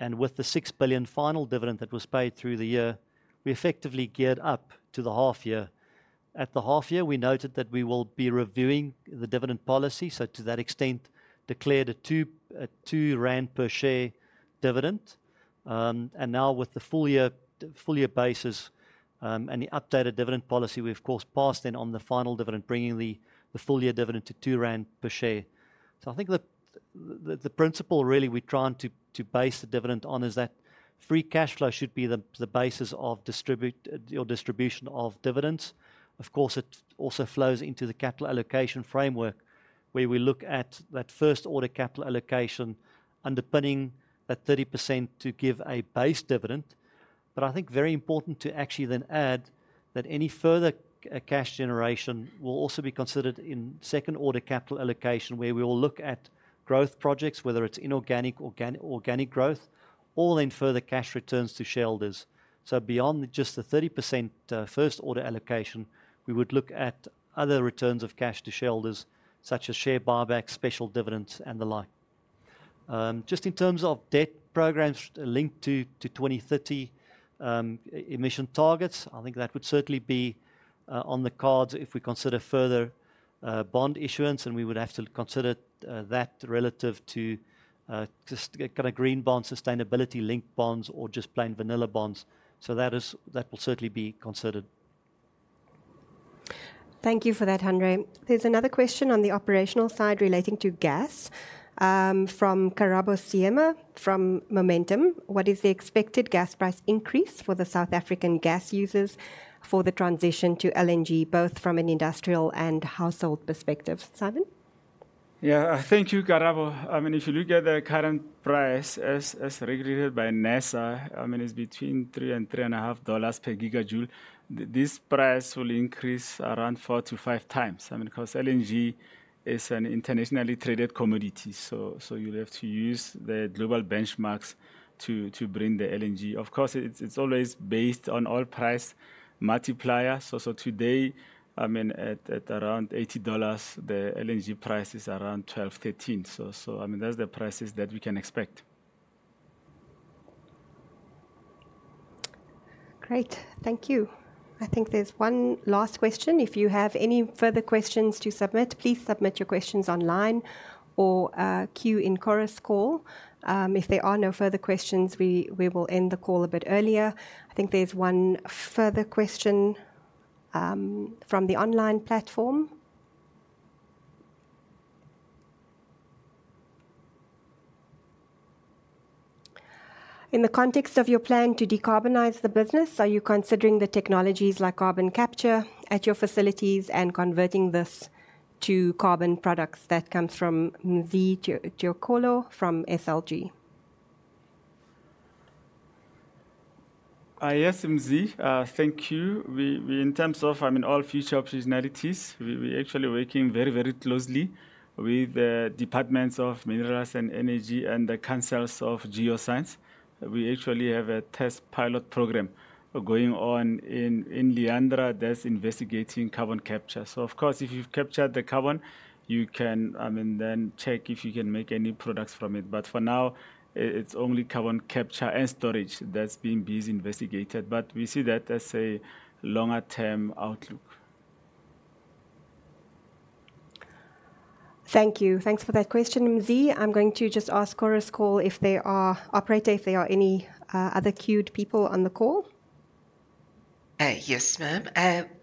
and with the 6 billion final dividend that was paid through the year, we effectively geared up to the half-year. At the half-year, we noted that we will be reviewing the dividend policy, so to that extent, declared a 2 rand per share dividend. And now with the full-year basis, and the updated dividend policy, we of course passed on the final dividend, bringing the full-year dividend to 2 rand per share. So I think the principle really we're trying to base the dividend on is that free cash flow should be the basis of distribution of dividends. Of course, it also flows into the capital allocation framework, where we look at that first order capital allocation underpinning that 30% to give a base dividend. But I think very important to actually then add that any further cash generation will also be considered in second-order capital allocation, where we will look at growth projects, whether it's inorganic or organic growth, all in further cash returns to shareholders. Beyond just the 30%, first-order allocation, we would look at other returns of cash to shareholders, such as share buybacks, special dividends, and the like. Just in terms of debt programs linked to 2030 emission targets, I think that would certainly be on the cards if we consider further bond issuance, and we would have to consider that relative to just kind of green bonds, sustainability-linked bonds, or just plain vanilla bonds. That will certainly be considered. Thank you for that, Hanr`e. There's another question on the operational side relating to gas, from Karabo Seema from Momentum: What is the expected gas price increase for the South African gas users for the transition to LNG, both from an industrial and household perspective? Simon? Yeah, thank you, Karabo. I mean, if you look at the current price as regulated by NERSA, I mean, it's between $3 and 3.5 per gigajoule. This price will increase around four to five times. I mean, because LNG is an internationally traded commodity, so you'll have to use the global benchmarks to bring the LNG. Of course, it's always based on oil price multiplier. So today, I mean, at around $80, the LNG price is around $12-13. So, I mean, that's the prices that we can expect. Great. Thank you. I think there's one last question. If you have any further questions to submit, please submit your questions online or queue in Chorus Call. If there are no further questions, we will end the call a bit earlier. I think there's one further question from the online platform. In the context of your plan to decarbonize the business, are you considering the technologies like carbon capture at your facilities and converting this to carbon products? That comes from Mzi Tyhokolo from SLG. Yes, Mzi, thank you. We In terms of, I mean, all future optionalities, we're actually working very, very closely with the Department of Mineral Resources and Energy and the Council for Geoscience. We actually have a test pilot program going on in Leandra that's investigating carbon capture. So of course, if you've captured the carbon, you can, I mean, then check if you can make any products from it. But for now, it's only carbon capture and storage that's being investigated, but we see that as a longer-term outlook. Thank you. Thanks for that question, Mzi. I'm going to just ask Chorus Call if there are... Operator, if there are any other queued people on the call? Yes, ma'am.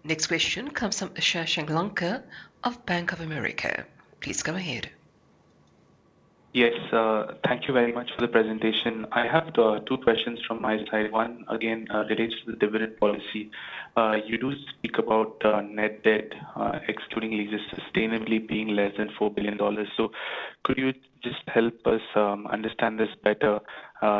Next question comes from Shashank Lanka of Bank of America. Please go ahead. Yes, thank you very much for the presentation. I have two questions from my side. One, again, relates to the dividend policy. You do speak about net debt excluding leases sustainably being less than $4 billion. So could you just help us understand this better?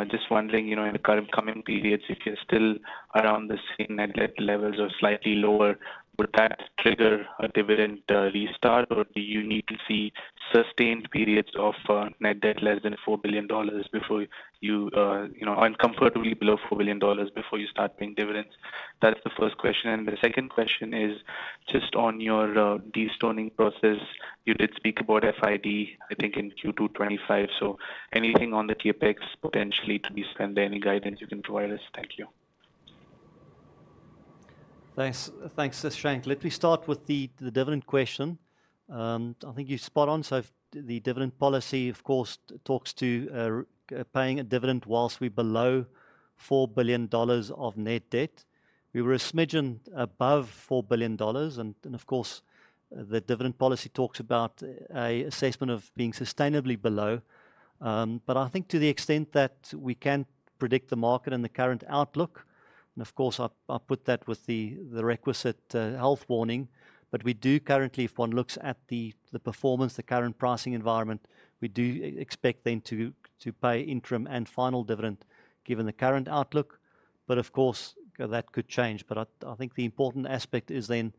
Just wondering, you know, in the current coming periods, if you're still around the same net debt levels or slightly lower, would that trigger a dividend restart, or do you need to see sustained periods of net debt less than $4 billion before you, you know, and comfortably below $4 billion before you start paying dividends? That is the first question. And the second question is just on your de-stoning process. You did speak about FID, I think, in Q2 2025, so anything on the CapEx potentially to be spent there, any guidance you can provide us? Thank you. Thanks. Thanks, Shashank. Let me start with the dividend question. I think you're spot on. So the dividend policy, of course, talks to paying a dividend whilst we're below $4 billion of net debt. We were a smidgen above $4 billion, and of course, the dividend policy talks about a assessment of being sustainably below. But I think to the extent that we can predict the market and the current outlook, and of course, I put that with the requisite health warning. But we do currently, if one looks at the performance, the current pricing environment, we do expect to pay interim and final dividend, given the current outlook. But of course, that could change. But I think the important aspect is then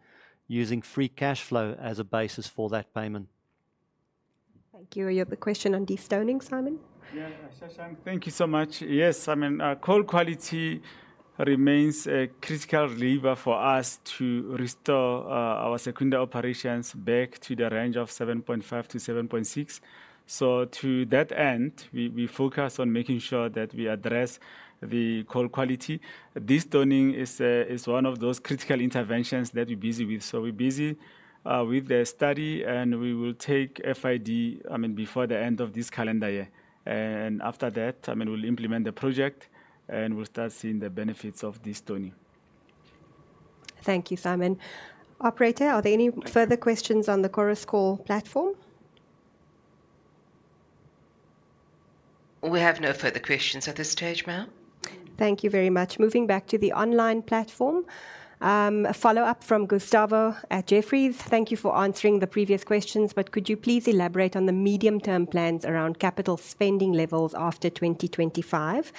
using Free Cash Flow as a basis for that payment. Thank you. You have the question on de-stoning, Simon? Yeah, Shashank, thank you so much. Yes, I mean, coal quality remains a critical lever for us to restore our Secunda operations back to the range of seven point five to seven point six. So to that end, we focus on making sure that we address the coal quality. De-stoning is one of those critical interventions that we're busy with. So we're busy with the study, and we will take FID, I mean, before the end of this calendar year. After that, I mean, we'll implement the project, and we'll start seeing the benefits of de-stoning. Thank you, Simon. Operator, are there any further questions on the Chorus Call platform? We have no further questions at this stage, ma'am. Thank you very much. Moving back to the online platform, a follow-up from Gustavo at Jefferies: "Thank you for answering the previous questions, but could you please elaborate on the medium-term plans around capital spending levels after 2025?"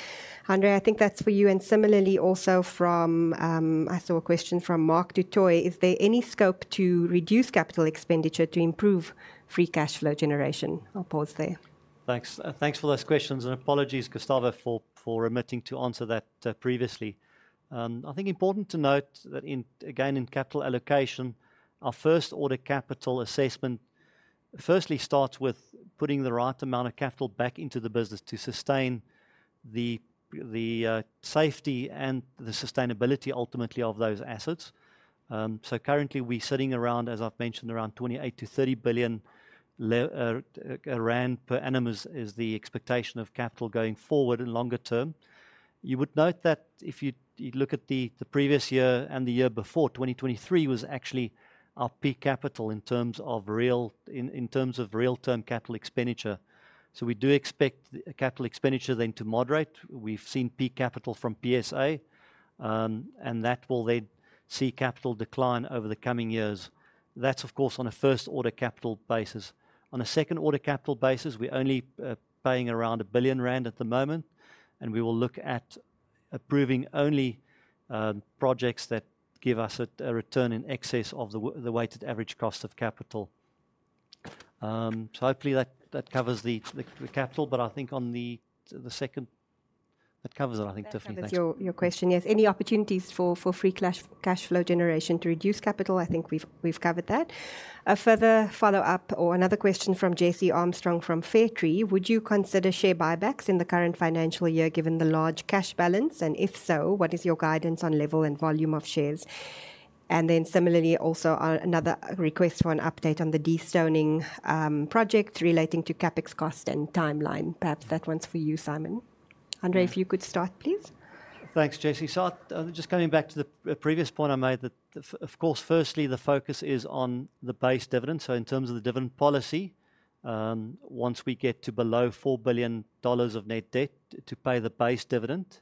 Hanr`e, I think that's for you, and similarly, also from, I saw a question from Mark du Toit: "Is there any scope to reduce capital expenditure to improve free cash flow generation?" I'll pause there. Thanks for those questions, and apologies, Gustavo, for omitting to answer that previously. I think important to note that in, again, in capital allocation, our first-order capital assessment firstly starts with putting the right amount of capital back into the business to sustain the safety and the sustainability, ultimately, of those assets. So currently, we're sitting around, as I've mentioned, around 28 30 billion per annum is the expectation of capital going forward and longer-term. You would note that if you look at the previous year and the year before, 2023 was actually our peak capital in terms of real-term capital expenditure. So we do expect capital expenditure then to moderate. We've seen peak capital from PSA, and that will then see capital decline over the coming years. That's, of course, on a first-order capital basis. On a second-order capital basis, we're only paying around 1 billion rand at the moment, and we will look at approving only projects that give us a return in excess of the weighted average cost of capital. So hopefully that covers the capital. That covers it, I think, Tiffany. Thanks. That's your question. Yes, any opportunities for free cash flow generation to reduce capital, I think we've covered that. A further follow-up or another question from Jesse Armstrong from Fairtree: "Would you consider share buybacks in the current financial year, given the large cash balance, and if so, what is your guidance on level and volume of shares?" And then another request for an update on the de-stoning project relating to CapEx cost and timeline. Perhaps that one's for you, Simon. Hanr`e, if you could start, please. Thanks, Jesse. So just coming back to the previous point I made, that of course firstly the focus is on the base dividend. So in terms of the dividend policy, once we get to below $4 billion of net debt to pay the base dividend,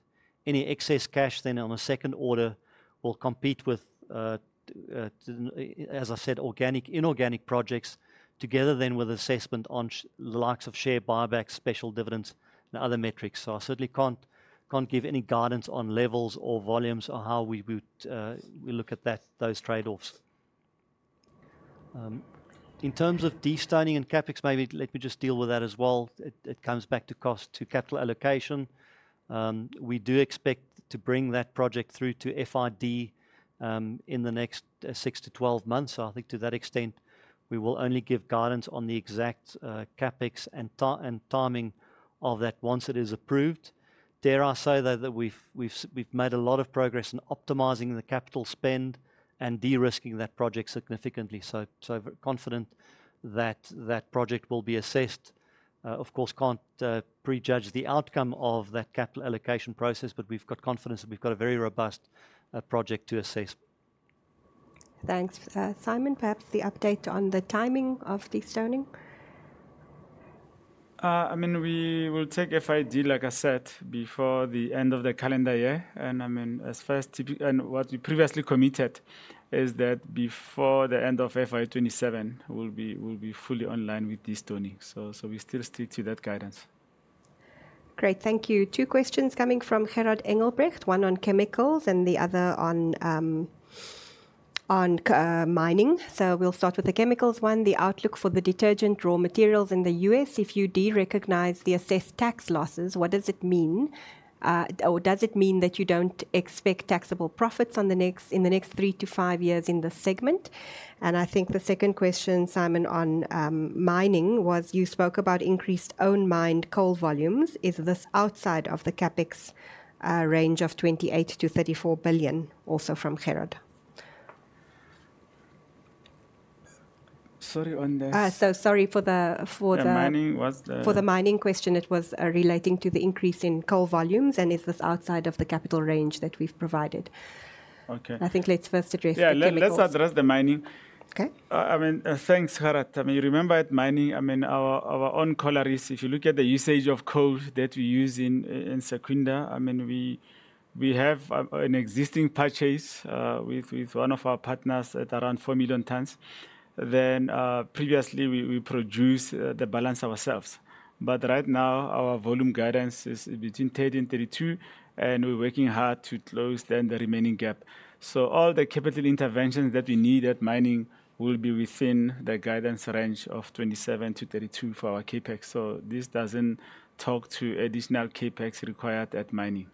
any excess cash then on a second order will compete with, as I said, organic, inorganic projects, together then with assessment on such as the likes of share buybacks, special dividends, and other metrics. So I certainly can't give any guidance on levels or volumes or how we would look at those trade-offs. In terms of de-stoning and CapEx, maybe let me just deal with that as well. It comes back to cost of capital allocation. We do expect to bring that project through to FID in the next 6-12 months. So I think to that extent, we will only give guidance on the exact CapEx and timing of that once it is approved. Dare I say, though, that we've made a lot of progress in optimizing the capital spend and de-risking that project significantly, so confident that that project will be assessed. Of course, can't prejudge the outcome of that capital allocation process, but we've got confidence that we've got a very robust project to assess. Thanks. Simon, perhaps the update on the timing of de-stoning. I mean, we will take FID, like I said, before the end of the calendar year, and I mean, as far as and what we previously committed is that before the end of FY 2027, we'll be fully online with de-stoning, so we still stick to that guidance. Great. Thank you. Two questions coming from Gerhard Engelbrecht, one on chemicals and the other on mining. So we'll start with the chemicals one. "The outlook for the detergent raw materials in the U.S., if you de-recognize the assessed tax losses, what does it mean? Or does it mean that you don't expect taxable profits on the next, in the next three to five years in this segment?" And I think the second question, Simon, on mining, was you spoke about increased own-mined coal volumes. Is this outside of the CapEx range of 28-34 billion? Also from Gerhard. Sorry, on the- So sorry for the- The mining, what's the- For the mining question, it was relating to the increase in coal volumes, and is this outside of the capital range that we've provided? Okay. I think let's first address the chemicals. Yeah, let's address the mining. Okay. I mean, thanks, Hanré. I mean, you remember at mining, I mean, our own collieries, if you look at the usage of coal that we use in Secunda, I mean, we have an existing purchase with one of our partners at around 4 million tons. Then, previously, we produce the balance ourselves, but right now, our volume guidance is between 30 and 32, and we're working hard to close down the remaining gap. So all the capital interventions that we need at mining will be within the guidance range of 27-32 for our CapEx, so this doesn't talk to additional CapEx required at mining.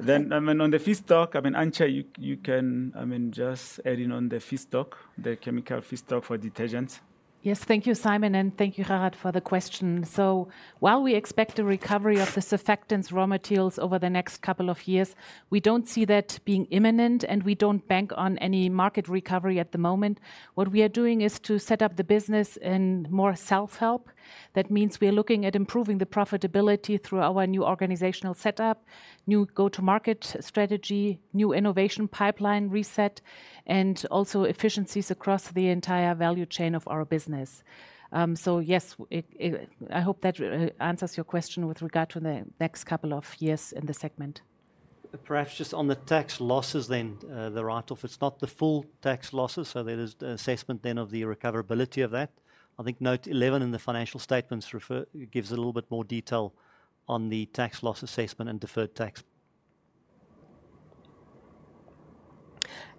Then, I mean, on the feedstock, I mean, Antje, you can, I mean, just add in on the feedstock, the chemical feedstock for detergents. Yes, thank you, Simon, and thank you, Harat, for the question. So while we expect a recovery of the surfactants raw materials over the next couple of years, we don't see that being imminent, and we don't bank on any market recovery at the moment. What we are doing is to set up the business in more self-help. That means we are looking at improving the profitability through our new organizational setup, new go-to-market strategy, new innovation pipeline reset, and also efficiencies across the entire value chain of our business. So yes, I hope that answers your question with regard to the next couple of years in the segment. Perhaps just on the tax losses then, the write-off, it's not the full tax losses, so there is an assessment then of the recoverability of that. I think note 11 in the financial statements gives a little bit more detail on the tax loss assessment and deferred tax.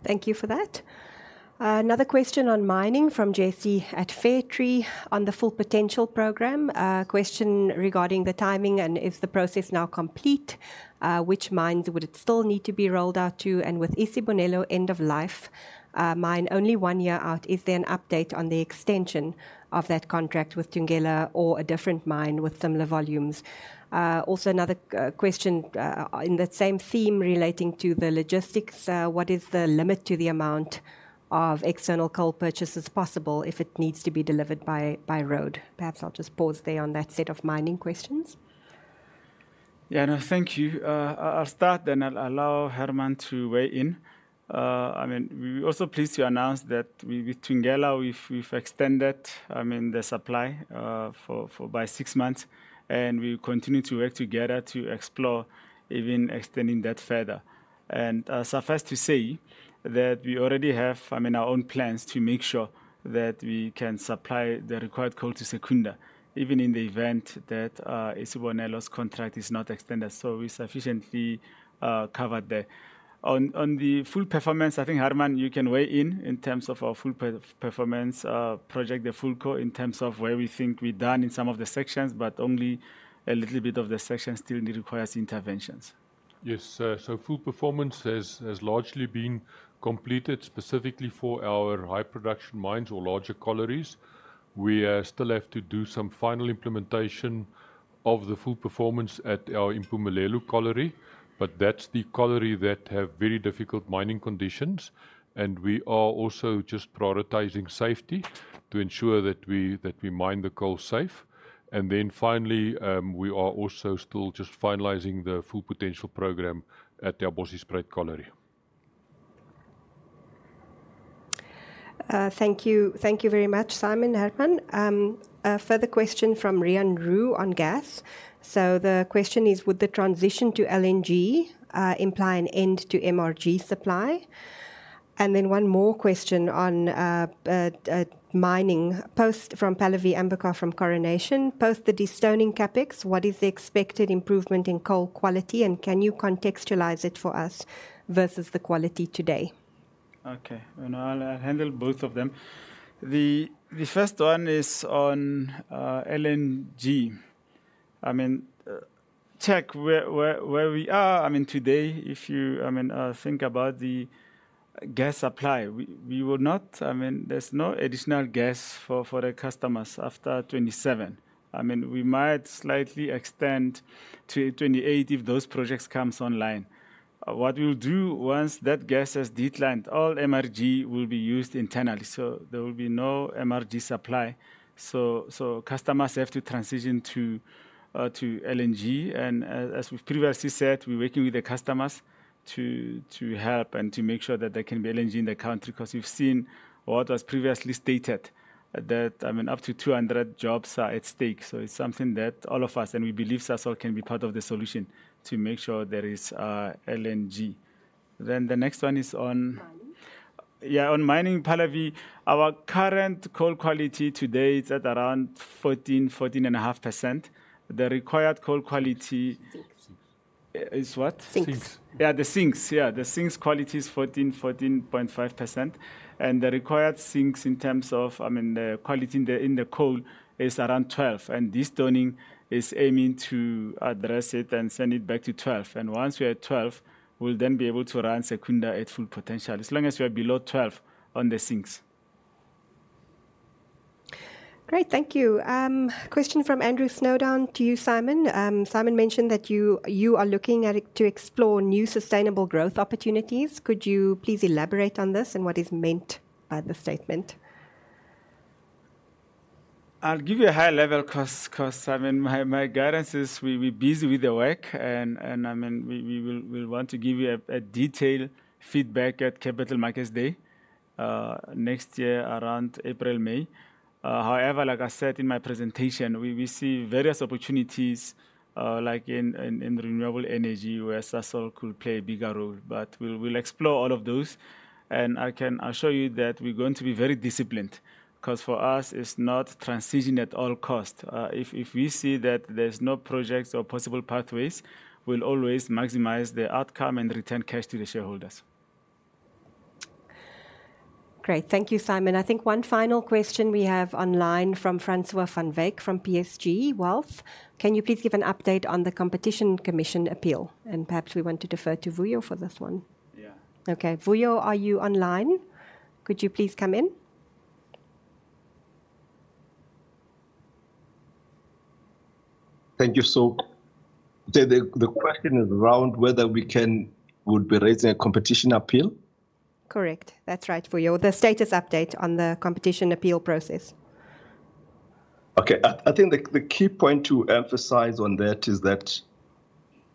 Thank you for that. Another question on mining from Jesse at Fairtree, on the Full-Potential program, a question regarding the timing, and is the process now complete? Which mines would it still need to be rolled out to? And with Isibonelo end of life, mine only one year out, is there an update on the extension of that contract with Thungela or a different mine with similar volumes? Also another question in that same theme relating to the logistics, what is the limit to the amount of external coal purchases possible if it needs to be delivered by road? Perhaps I'll just pause there on that set of mining questions. Yeah, no, thank you. I'll start, then I'll allow Hermann to weigh in. I mean, we're also pleased to announce that with Thungela, we've extended, I mean, the supply by six months, and we continue to work together to explore even extending that further. Suffice to say that we already have, I mean, our own plans to make sure that we can supply the required coal to Secunda, even in the event that Isibonelo's contract is not extended, so we're sufficiently covered there. On the full performance, I think, Hermann, you can weigh in terms of our full performance project, the Fullco, in terms of where we think we're done in some of the sections, but only a little bit of the sections still requires interventions. Yes, so full performance has largely been completed specifically for our high production mines or larger collieries. We still have to do some final implementation of the full performance at our Impumelelo Colliery, but that's the colliery that have very difficult mining conditions, and we are also just prioritizing safety to ensure that we mine the coal safe. And then finally, we are also still just finalizing the full potential program at the Bosjesspruit Colliery. Thank you. Thank you very much, Simon, Hermann. A further question from Rian Roux on gas. So the question is: would the transition to LNG imply an end to MRG supply? And then one more question on mining. Post from Pallavi Ambekar from Coronation: Post the de-stoning CapEx, what is the expected improvement in coal quality, and can you contextualize it for us versus the quality today? Okay, and I'll handle both of them. The first one is on LNG. I mean, check where we are, I mean, today, if you think about the gas supply, we will not... I mean, there's no additional gas for the customers after 2027. I mean, we might slightly extend to 2028 if those projects comes online. What we'll do once that gas has declined, all MRG will be used internally, so there will be no MRG supply. So customers have to transition to LNG, and as we've previously said, we're working with the customers to help and to make sure that there can be LNG in the country. 'Cause we've seen what was previously stated, that, I mean, up to 200 jobs are at stake. So it's something that all of us, and we believe Sasol, can be part of the solution to make sure there is LNG. Then the next one is on- Yeah, on mining, Pallavi. Our current coal quality today is at around 14-14.5%. The required coal quality- Sinks. Is what? Sinks. Yeah, the sinks. Yeah, the sinks quality is 14.5%, and the required sinks in terms of, I mean, the quality in the coal is around 12%, and de-stoning is aiming to address it and send it back to 12%. Once we are at 12%, we'll then be able to run Secunda at full potential. As long as we are below 12% on the sinks. Great. Thank you. Question from Andrew Snowden to you, Simon. Simon mentioned that you, you are looking at it to explore new sustainable growth opportunities. Could you please elaborate on this and what is meant by the statement? I'll give you a high level cost, 'cause, I mean, my guidance is we're busy with the work and, I mean, we'll want to give you a detailed feedback at Capital Markets Day next year around April, May. However, like I said in my presentation, we see various opportunities, like in renewable energy, where Sasol could play a bigger role. But we'll explore all of those, and I can assure you that we're going to be very disciplined, 'cause for us, it's not transitioning at all cost. If we see that there's no projects or possible pathways, we'll always maximize the outcome and return cash to the shareholders. Great. Thank you, Simon. I think one final question we have online from Francois van Wyk, from PSG Wealth: Can you please give an update on the Competition Commission appeal? And perhaps we want to defer to Vuyo for this one. Yeah. Okay. Vuyo, are you online? Could you please come in? Thank you. So the question is around whether we would be raising a competition appeal? Correct. That's right, Vuyo. The status update on the competition appeal process. Okay. I think the key point to emphasize on that is that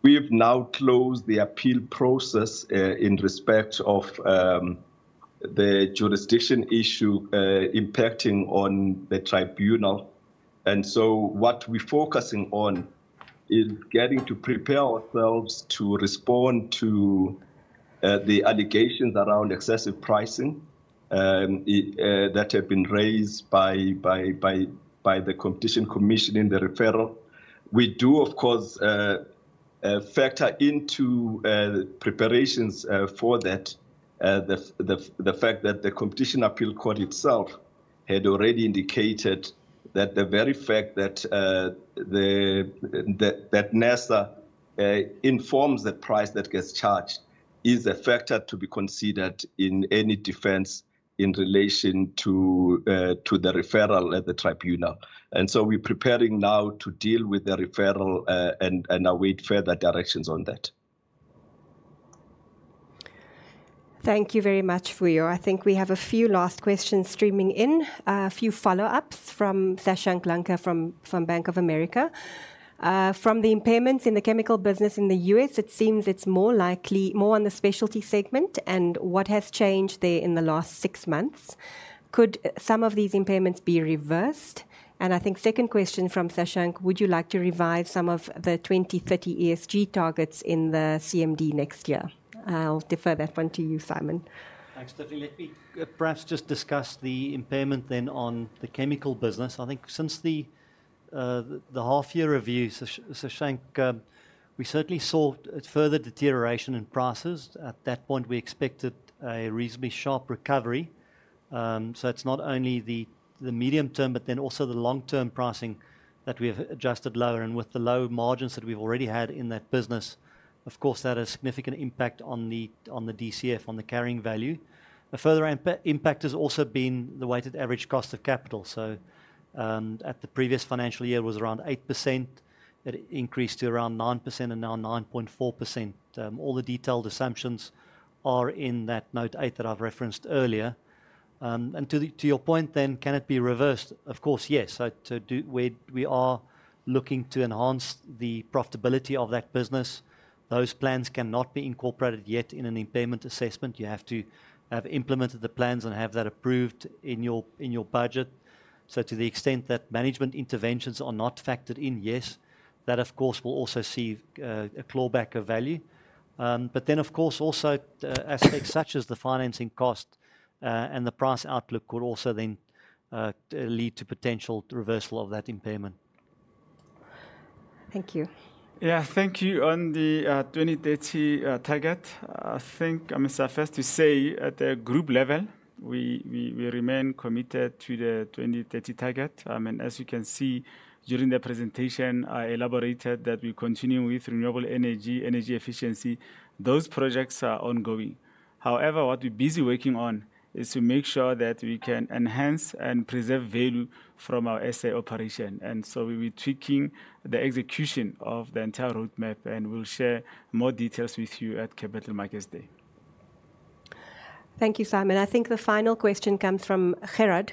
we have now closed the appeal process in respect of the jurisdiction issue impacting on the tribunal. And so what we're focusing on is getting to prepare ourselves to respond to the allegations around excessive pricing that have been raised by the Competition Commission in the referral. We do, of course, factor into the preparations for that the fact that the Competition Appeal Court itself had already indicated that the very fact that NERSA informs the price that gets charged is a factor to be considered in any defense in relation to to the referral at the tribunal. And so we're preparing now to deal with the referral, and await further directions on that. Thank you very much, Vuyo. I think we have a few last questions streaming in. A few follow-ups from Shashank Lanka, from Bank of America. From the impairments in the chemical business in the U.S., it seems it's more likely on the specialty segment, and what has changed there in the last six months? Could some of these impairments be reversed? And I think second question from Shashank: Would you like to revise some of the 2030 ESG targets in the CMD next year? I'll defer that one to you, Simon. Thanks, Tiffany. Let me perhaps just discuss the impairment then on the chemical business. I think since the half-year review, Shashank, we certainly saw a further deterioration in prices. At that point, we expected a reasonably sharp recovery. So it's not only the medium term, but then also the long-term pricing that we have adjusted lower, and with the low margins that we've already had in that business, of course, that has significant impact on the DCF, on the carrying value. A further impact has also been the weighted average cost of capital. So at the previous financial year was around 8%. It increased to around 9% and now 9.4. All the detailed assumptions are in that note 8 that I've referenced earlier. And to your point then, can it be reversed? Of course, yes. We are looking to enhance the profitability of that business. Those plans cannot be incorporated yet in an impairment assessment. You have to have implemented the plans and have that approved in your budget. So to the extent that management interventions are not factored in, yes, that of course will also see a clawback of value. But then, of course, also, aspects such as the financing cost and the price outlook will also then lead to potential reversal of that impairment. Thank you. Yeah. Thank you. On the 2030 target, I think, I mean, suffice to say, at the group level, we remain committed to the 2030 target. I mean, as you can see, during the presentation, I elaborated that we continue with renewable energy, energy efficiency. Those projects are ongoing. However, what we're busy working on is to make sure that we can enhance and preserve value from our SA operation. And so we'll be tweaking the execution of the entire roadmap, and we'll share more details with you at Capital Markets Day. Thank you, Simon. I think the final question comes from Gerhard,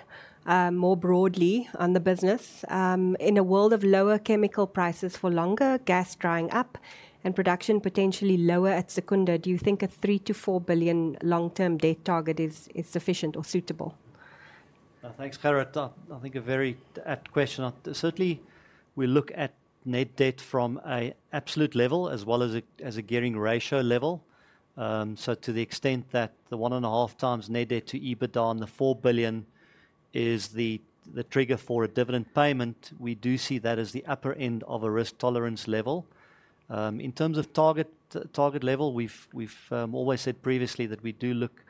more broadly on the business. In a world of lower chemical prices for longer, gas drying up, and production potentially lower at Secunda, do you think a three to four billion long-term debt target is sufficient or suitable? Thanks, Gerhard. I think a very apt question. Certainly, we look at net debt from an absolute level as well as a gearing ratio level. So to the extent that the one and a half times net debt to EBITDA and the 4 billion is the trigger for a dividend payment, we do see that as the upper end of a risk tolerance level. In terms of target level, we've always said previously that we do look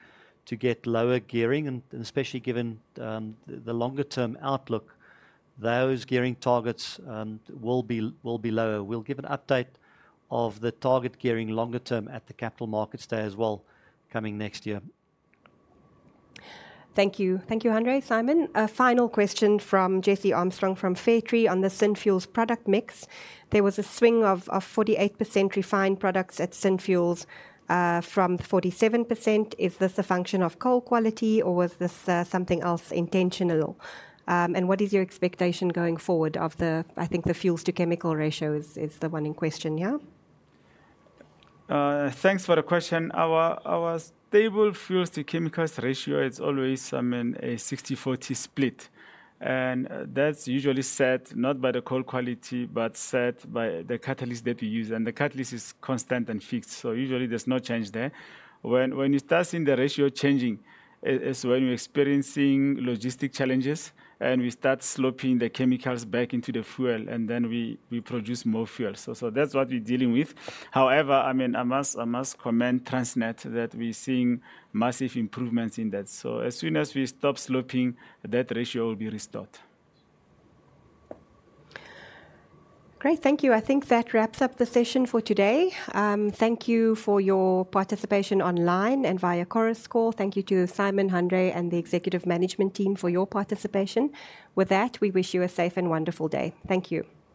to get lower gearing, and especially given the longer term outlook, those gearing targets will be lower. We'll give an update of the target gearing longer term at the Capital Markets Day as well, coming next year. Thank you. Thank you, Hanr`e, Simon. A final question from Jesse Armstrong from Fairtree on the Synfuels product mix. There was a swing of 48% refined products at Synfuels from 47%. Is this a function of coal quality, or was this something else intentional, and what is your expectation going forward of the... I think the fuels to chemical ratio is the one in question here. Thanks for the question. Our stable fuels to chemicals ratio is always, I mean, a 60-40 split, and that's usually set not by the coal quality, but set by the catalyst that we use, and the catalyst is constant and fixed, so usually there's no change there. When you start seeing the ratio changing is when you're experiencing logistic challenges, and we start sloping the chemicals back into the fuel, and then we produce more fuel. That's what we're dealing with. However, I mean, I must commend Transnet that we're seeing massive improvements in that. As soon as we stop sloping, that ratio will be restored. Great, thank you. I think that wraps up the session for today. Thank you for your participation online and via chorus call. Thank you to Simon, Hanr`e, and the executive management team for your participation. With that, we wish you a safe and wonderful day. Thank you.